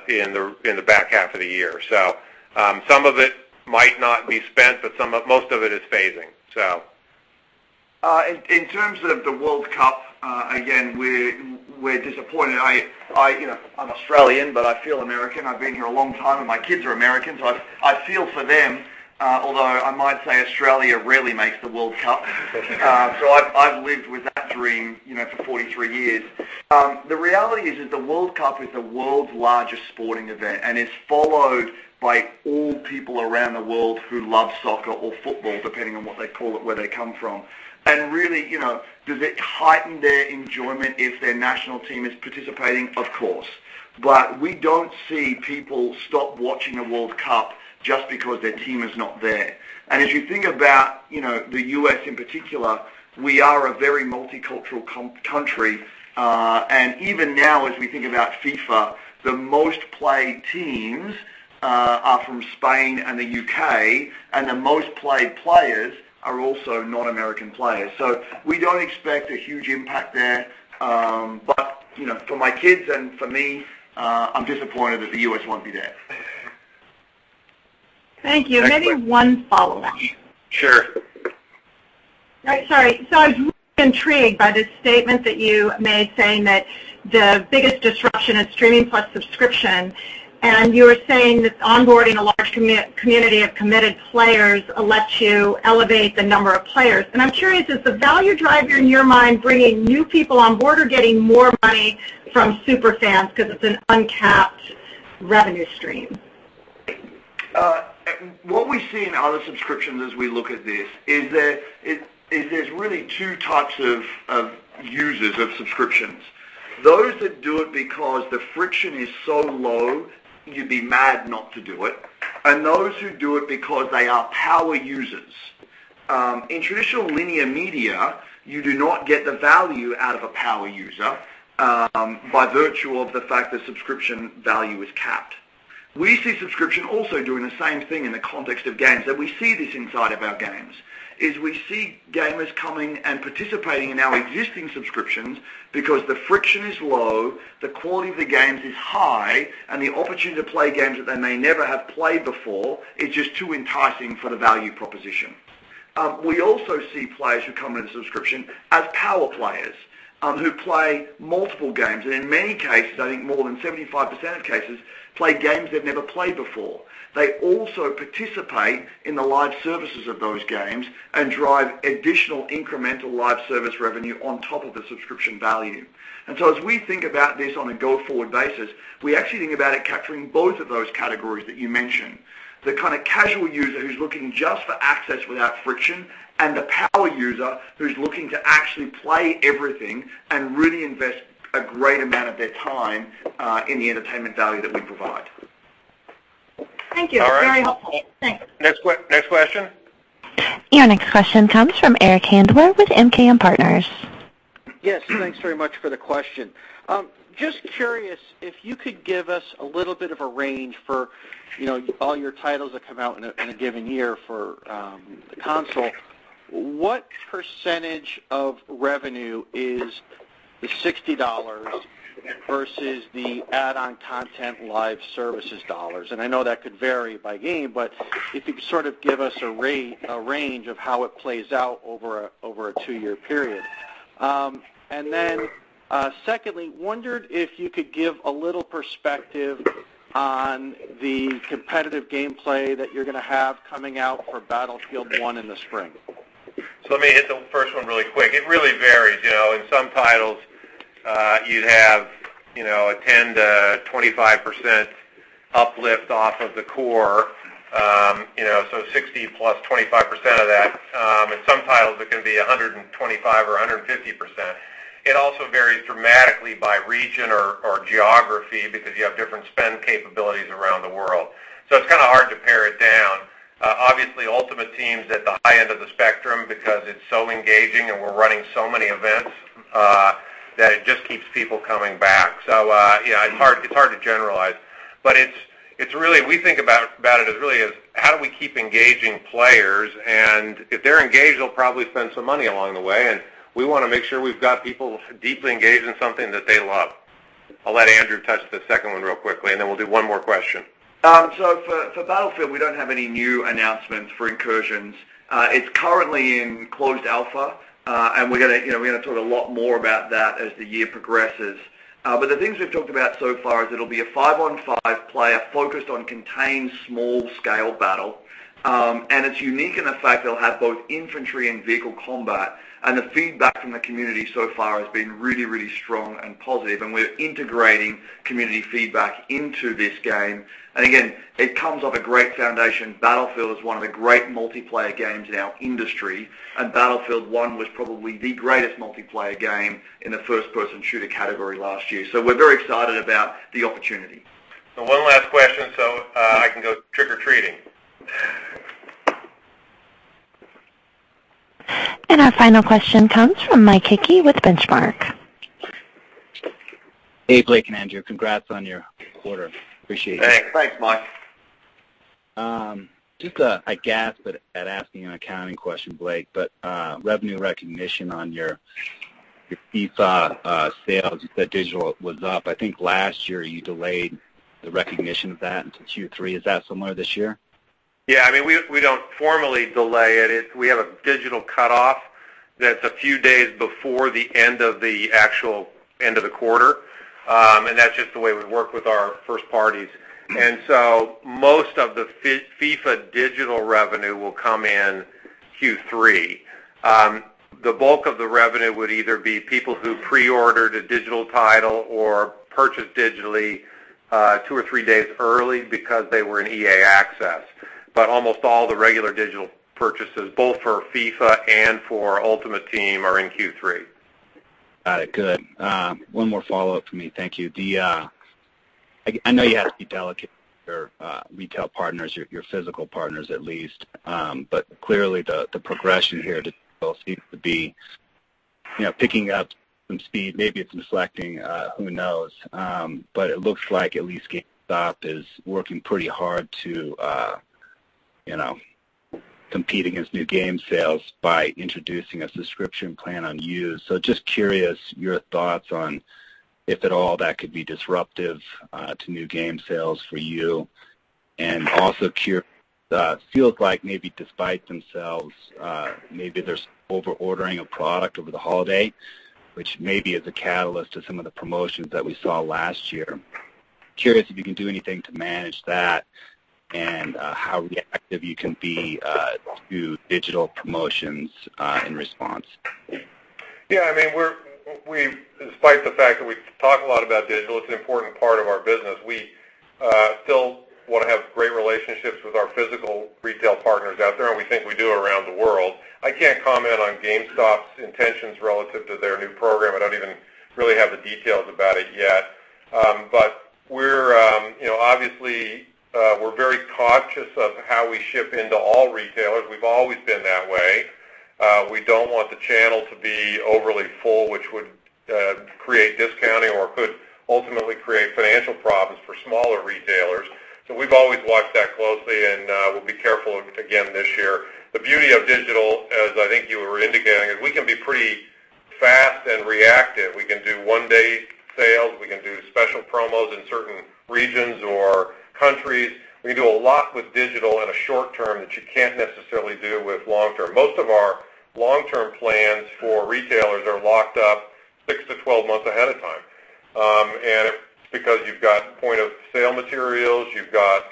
in the back half of the year. Some of it might not be spent, but most of it is phasing. In terms of the World Cup, again, we're disappointed. I'm Australian, but I feel American. I've been here a long time, and my kids are American, so I feel for them, although I might say Australia rarely makes the World Cup. I've lived with that dream for 43 years. The reality is that the World Cup is the world's largest sporting event, and it's followed by all people around the world who love soccer or football, depending on what they call it, where they come from. Really, does it heighten their enjoyment if their national team is participating? Of course. We don't see people stop watching a World Cup just because their team is not there. As you think about the U.S. in particular, we are a very multicultural country. Even now, as we think about FIFA, the most-played teams are from Spain and the U.K., and the most-played players are also non-American players. We don't expect a huge impact there. For my kids and for me, I'm disappointed that the U.S. won't be there. Thank you. Maybe one follow-up. Sure. Right. Sorry. I was really intrigued by this statement that you made, saying that the biggest disruption is streaming plus subscription, and you were saying that onboarding a large community of committed players lets you elevate the number of players. I'm curious, is the value driver in your mind bringing new people on board or getting more money from super fans because it's an uncapped revenue stream? What we see in other subscriptions as we look at this is there's really two types of users of subscriptions. Those that do it because the friction is so low you'd be mad not to do it, and those who do it because they are power users. In traditional linear media, you do not get the value out of a power user by virtue of the fact the subscription value is capped. We see subscription also doing the same thing in the context of games. We see this inside of our games, is we see gamers coming and participating in our existing subscriptions because the friction is low, the quality of the games is high, and the opportunity to play games that they may never have played before is just too enticing for the value proposition. We also see players who come into the subscription as power players who play multiple games, and in many cases, I think more than 75% of cases, play games they've never played before. They also participate in the live services of those games and drive additional incremental live service revenue on top of the subscription value. As we think about this on a go-forward basis, we actually think about it capturing both of those categories that you mentioned, the kind of casual user who's looking just for access without friction, and the power user who's looking to actually play everything and really invest a great amount of their time in the entertainment value that we provide. Thank you. All right. It's very helpful. Thanks. Next question? Your next question comes from Eric Handler with MKM Partners. Yes. Thanks very much for the question. Just curious if you could give us a little bit of a range for all your titles that come out in a given year for the console. What percentage of revenue is the $60 versus the add-on content live services dollars? I know that could vary by game, but if you could sort of give us a range of how it plays out over a two-year period. Secondly, wondered if you could give a little perspective on the competitive gameplay that you're going to have coming out for Battlefield 1 in the spring. Let me hit the first one really quick. It really varies. In some titles, you'd have a 10%-25% uplift off of the core, so $60 plus 25% of that. In some titles, it can be 125% or 150%. It also varies dramatically by region or geography because you have different spend capabilities around the world. It's kind of hard to pare it down. Obviously, Ultimate Team's at the high end of the spectrum because it's so engaging and we're running so many events that it just keeps people coming back. Yeah, it's hard to generalize. We think about it as really as how do we keep engaging players? If they're engaged, they'll probably spend some money along the way, and we want to make sure we've got people deeply engaged in something that they love. I'll let Andrew touch the second one real quickly, then we'll do one more question. For Battlefield, we don't have any new announcements for Incursions. It's currently in closed alpha. We're going to talk a lot more about that as the year progresses. The things we've talked about so far is it'll be a five-on-five player focused on contained small-scale battle. It's unique in the fact it'll have both infantry and vehicle combat. The feedback from the community so far has been really, really strong and positive, and we're integrating community feedback into this game. Again, it comes off a great foundation. Battlefield is one of the great multiplayer games in our industry, and Battlefield 1 was probably the greatest multiplayer game in the first-person shooter category last year. We're very excited about the opportunity. One last question so I can go to- Our final question comes from Mike Hickey with Benchmark. Hey, Blake and Andrew. Congrats on your quarter. Appreciate it. Thanks. Thanks, Mike. Just a gasp at asking an accounting question, Blake, revenue recognition on your FIFA sales, you said digital was up. I think last year you delayed the recognition of that into Q3. Is that similar this year? Yeah, we don't formally delay it. We have a digital cutoff that's a few days before the end of the actual end of the quarter. That's just the way we work with our first parties. Most of the FIFA digital revenue will come in Q3. The bulk of the revenue would either be people who pre-ordered a digital title or purchased digitally two or three days early because they were in EA Access. Almost all the regular digital purchases, both for FIFA and for Ultimate Team, are in Q3. Got it. Good. One more follow-up for me. Thank you. I know you have to be delicate with your retail partners, your physical partners at least. Clearly the progression here to both seems to be picking up some speed. Maybe it's reflecting, who knows? But it looks like at least GameStop is working pretty hard to compete against new game sales by introducing a subscription plan on used. Just curious your thoughts on, if at all, that could be disruptive to new game sales for you. Also curious, feels like maybe despite themselves, maybe there's over-ordering of product over the holiday, which maybe is a catalyst to some of the promotions that we saw last year. Curious if you can do anything to manage that and how reactive you can be to digital promotions in response. Yeah, despite the fact that we talk a lot about digital, it's an important part of our business. We still want to have great relationships with our physical retail partners out there, and we think we do around the world. I can't comment on GameStop's intentions relative to their new program. I don't even really have the details about it yet. Obviously, we're very conscious of how we ship into all retailers. We've always been that way. We don't want the channel to be overly full, which would create discounting or could ultimately create financial problems for smaller retailers. We've always watched that closely, and we'll be careful again this year. The beauty of digital, as I think you were indicating, is we can be pretty fast and reactive. We can do one-day sales. We can do special promos in certain regions or countries. We can do a lot with digital in a short term that you can't necessarily do with long term. Most of our long-term plans for retailers are locked up six to 12 months ahead of time. It's because you've got point-of-sale materials, you've got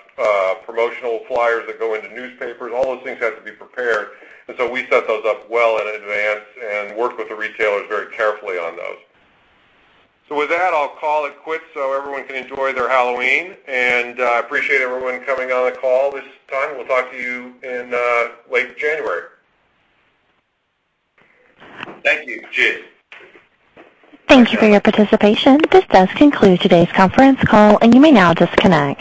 promotional flyers that go into newspapers. All those things have to be prepared. We set those up well in advance and work with the retailers very carefully on those. With that, I'll call it quits so everyone can enjoy their Halloween. I appreciate everyone coming on the call this time. We'll talk to you in late January. Thank you. Cheers. Thank you for your participation. This does conclude today's conference call, and you may now disconnect.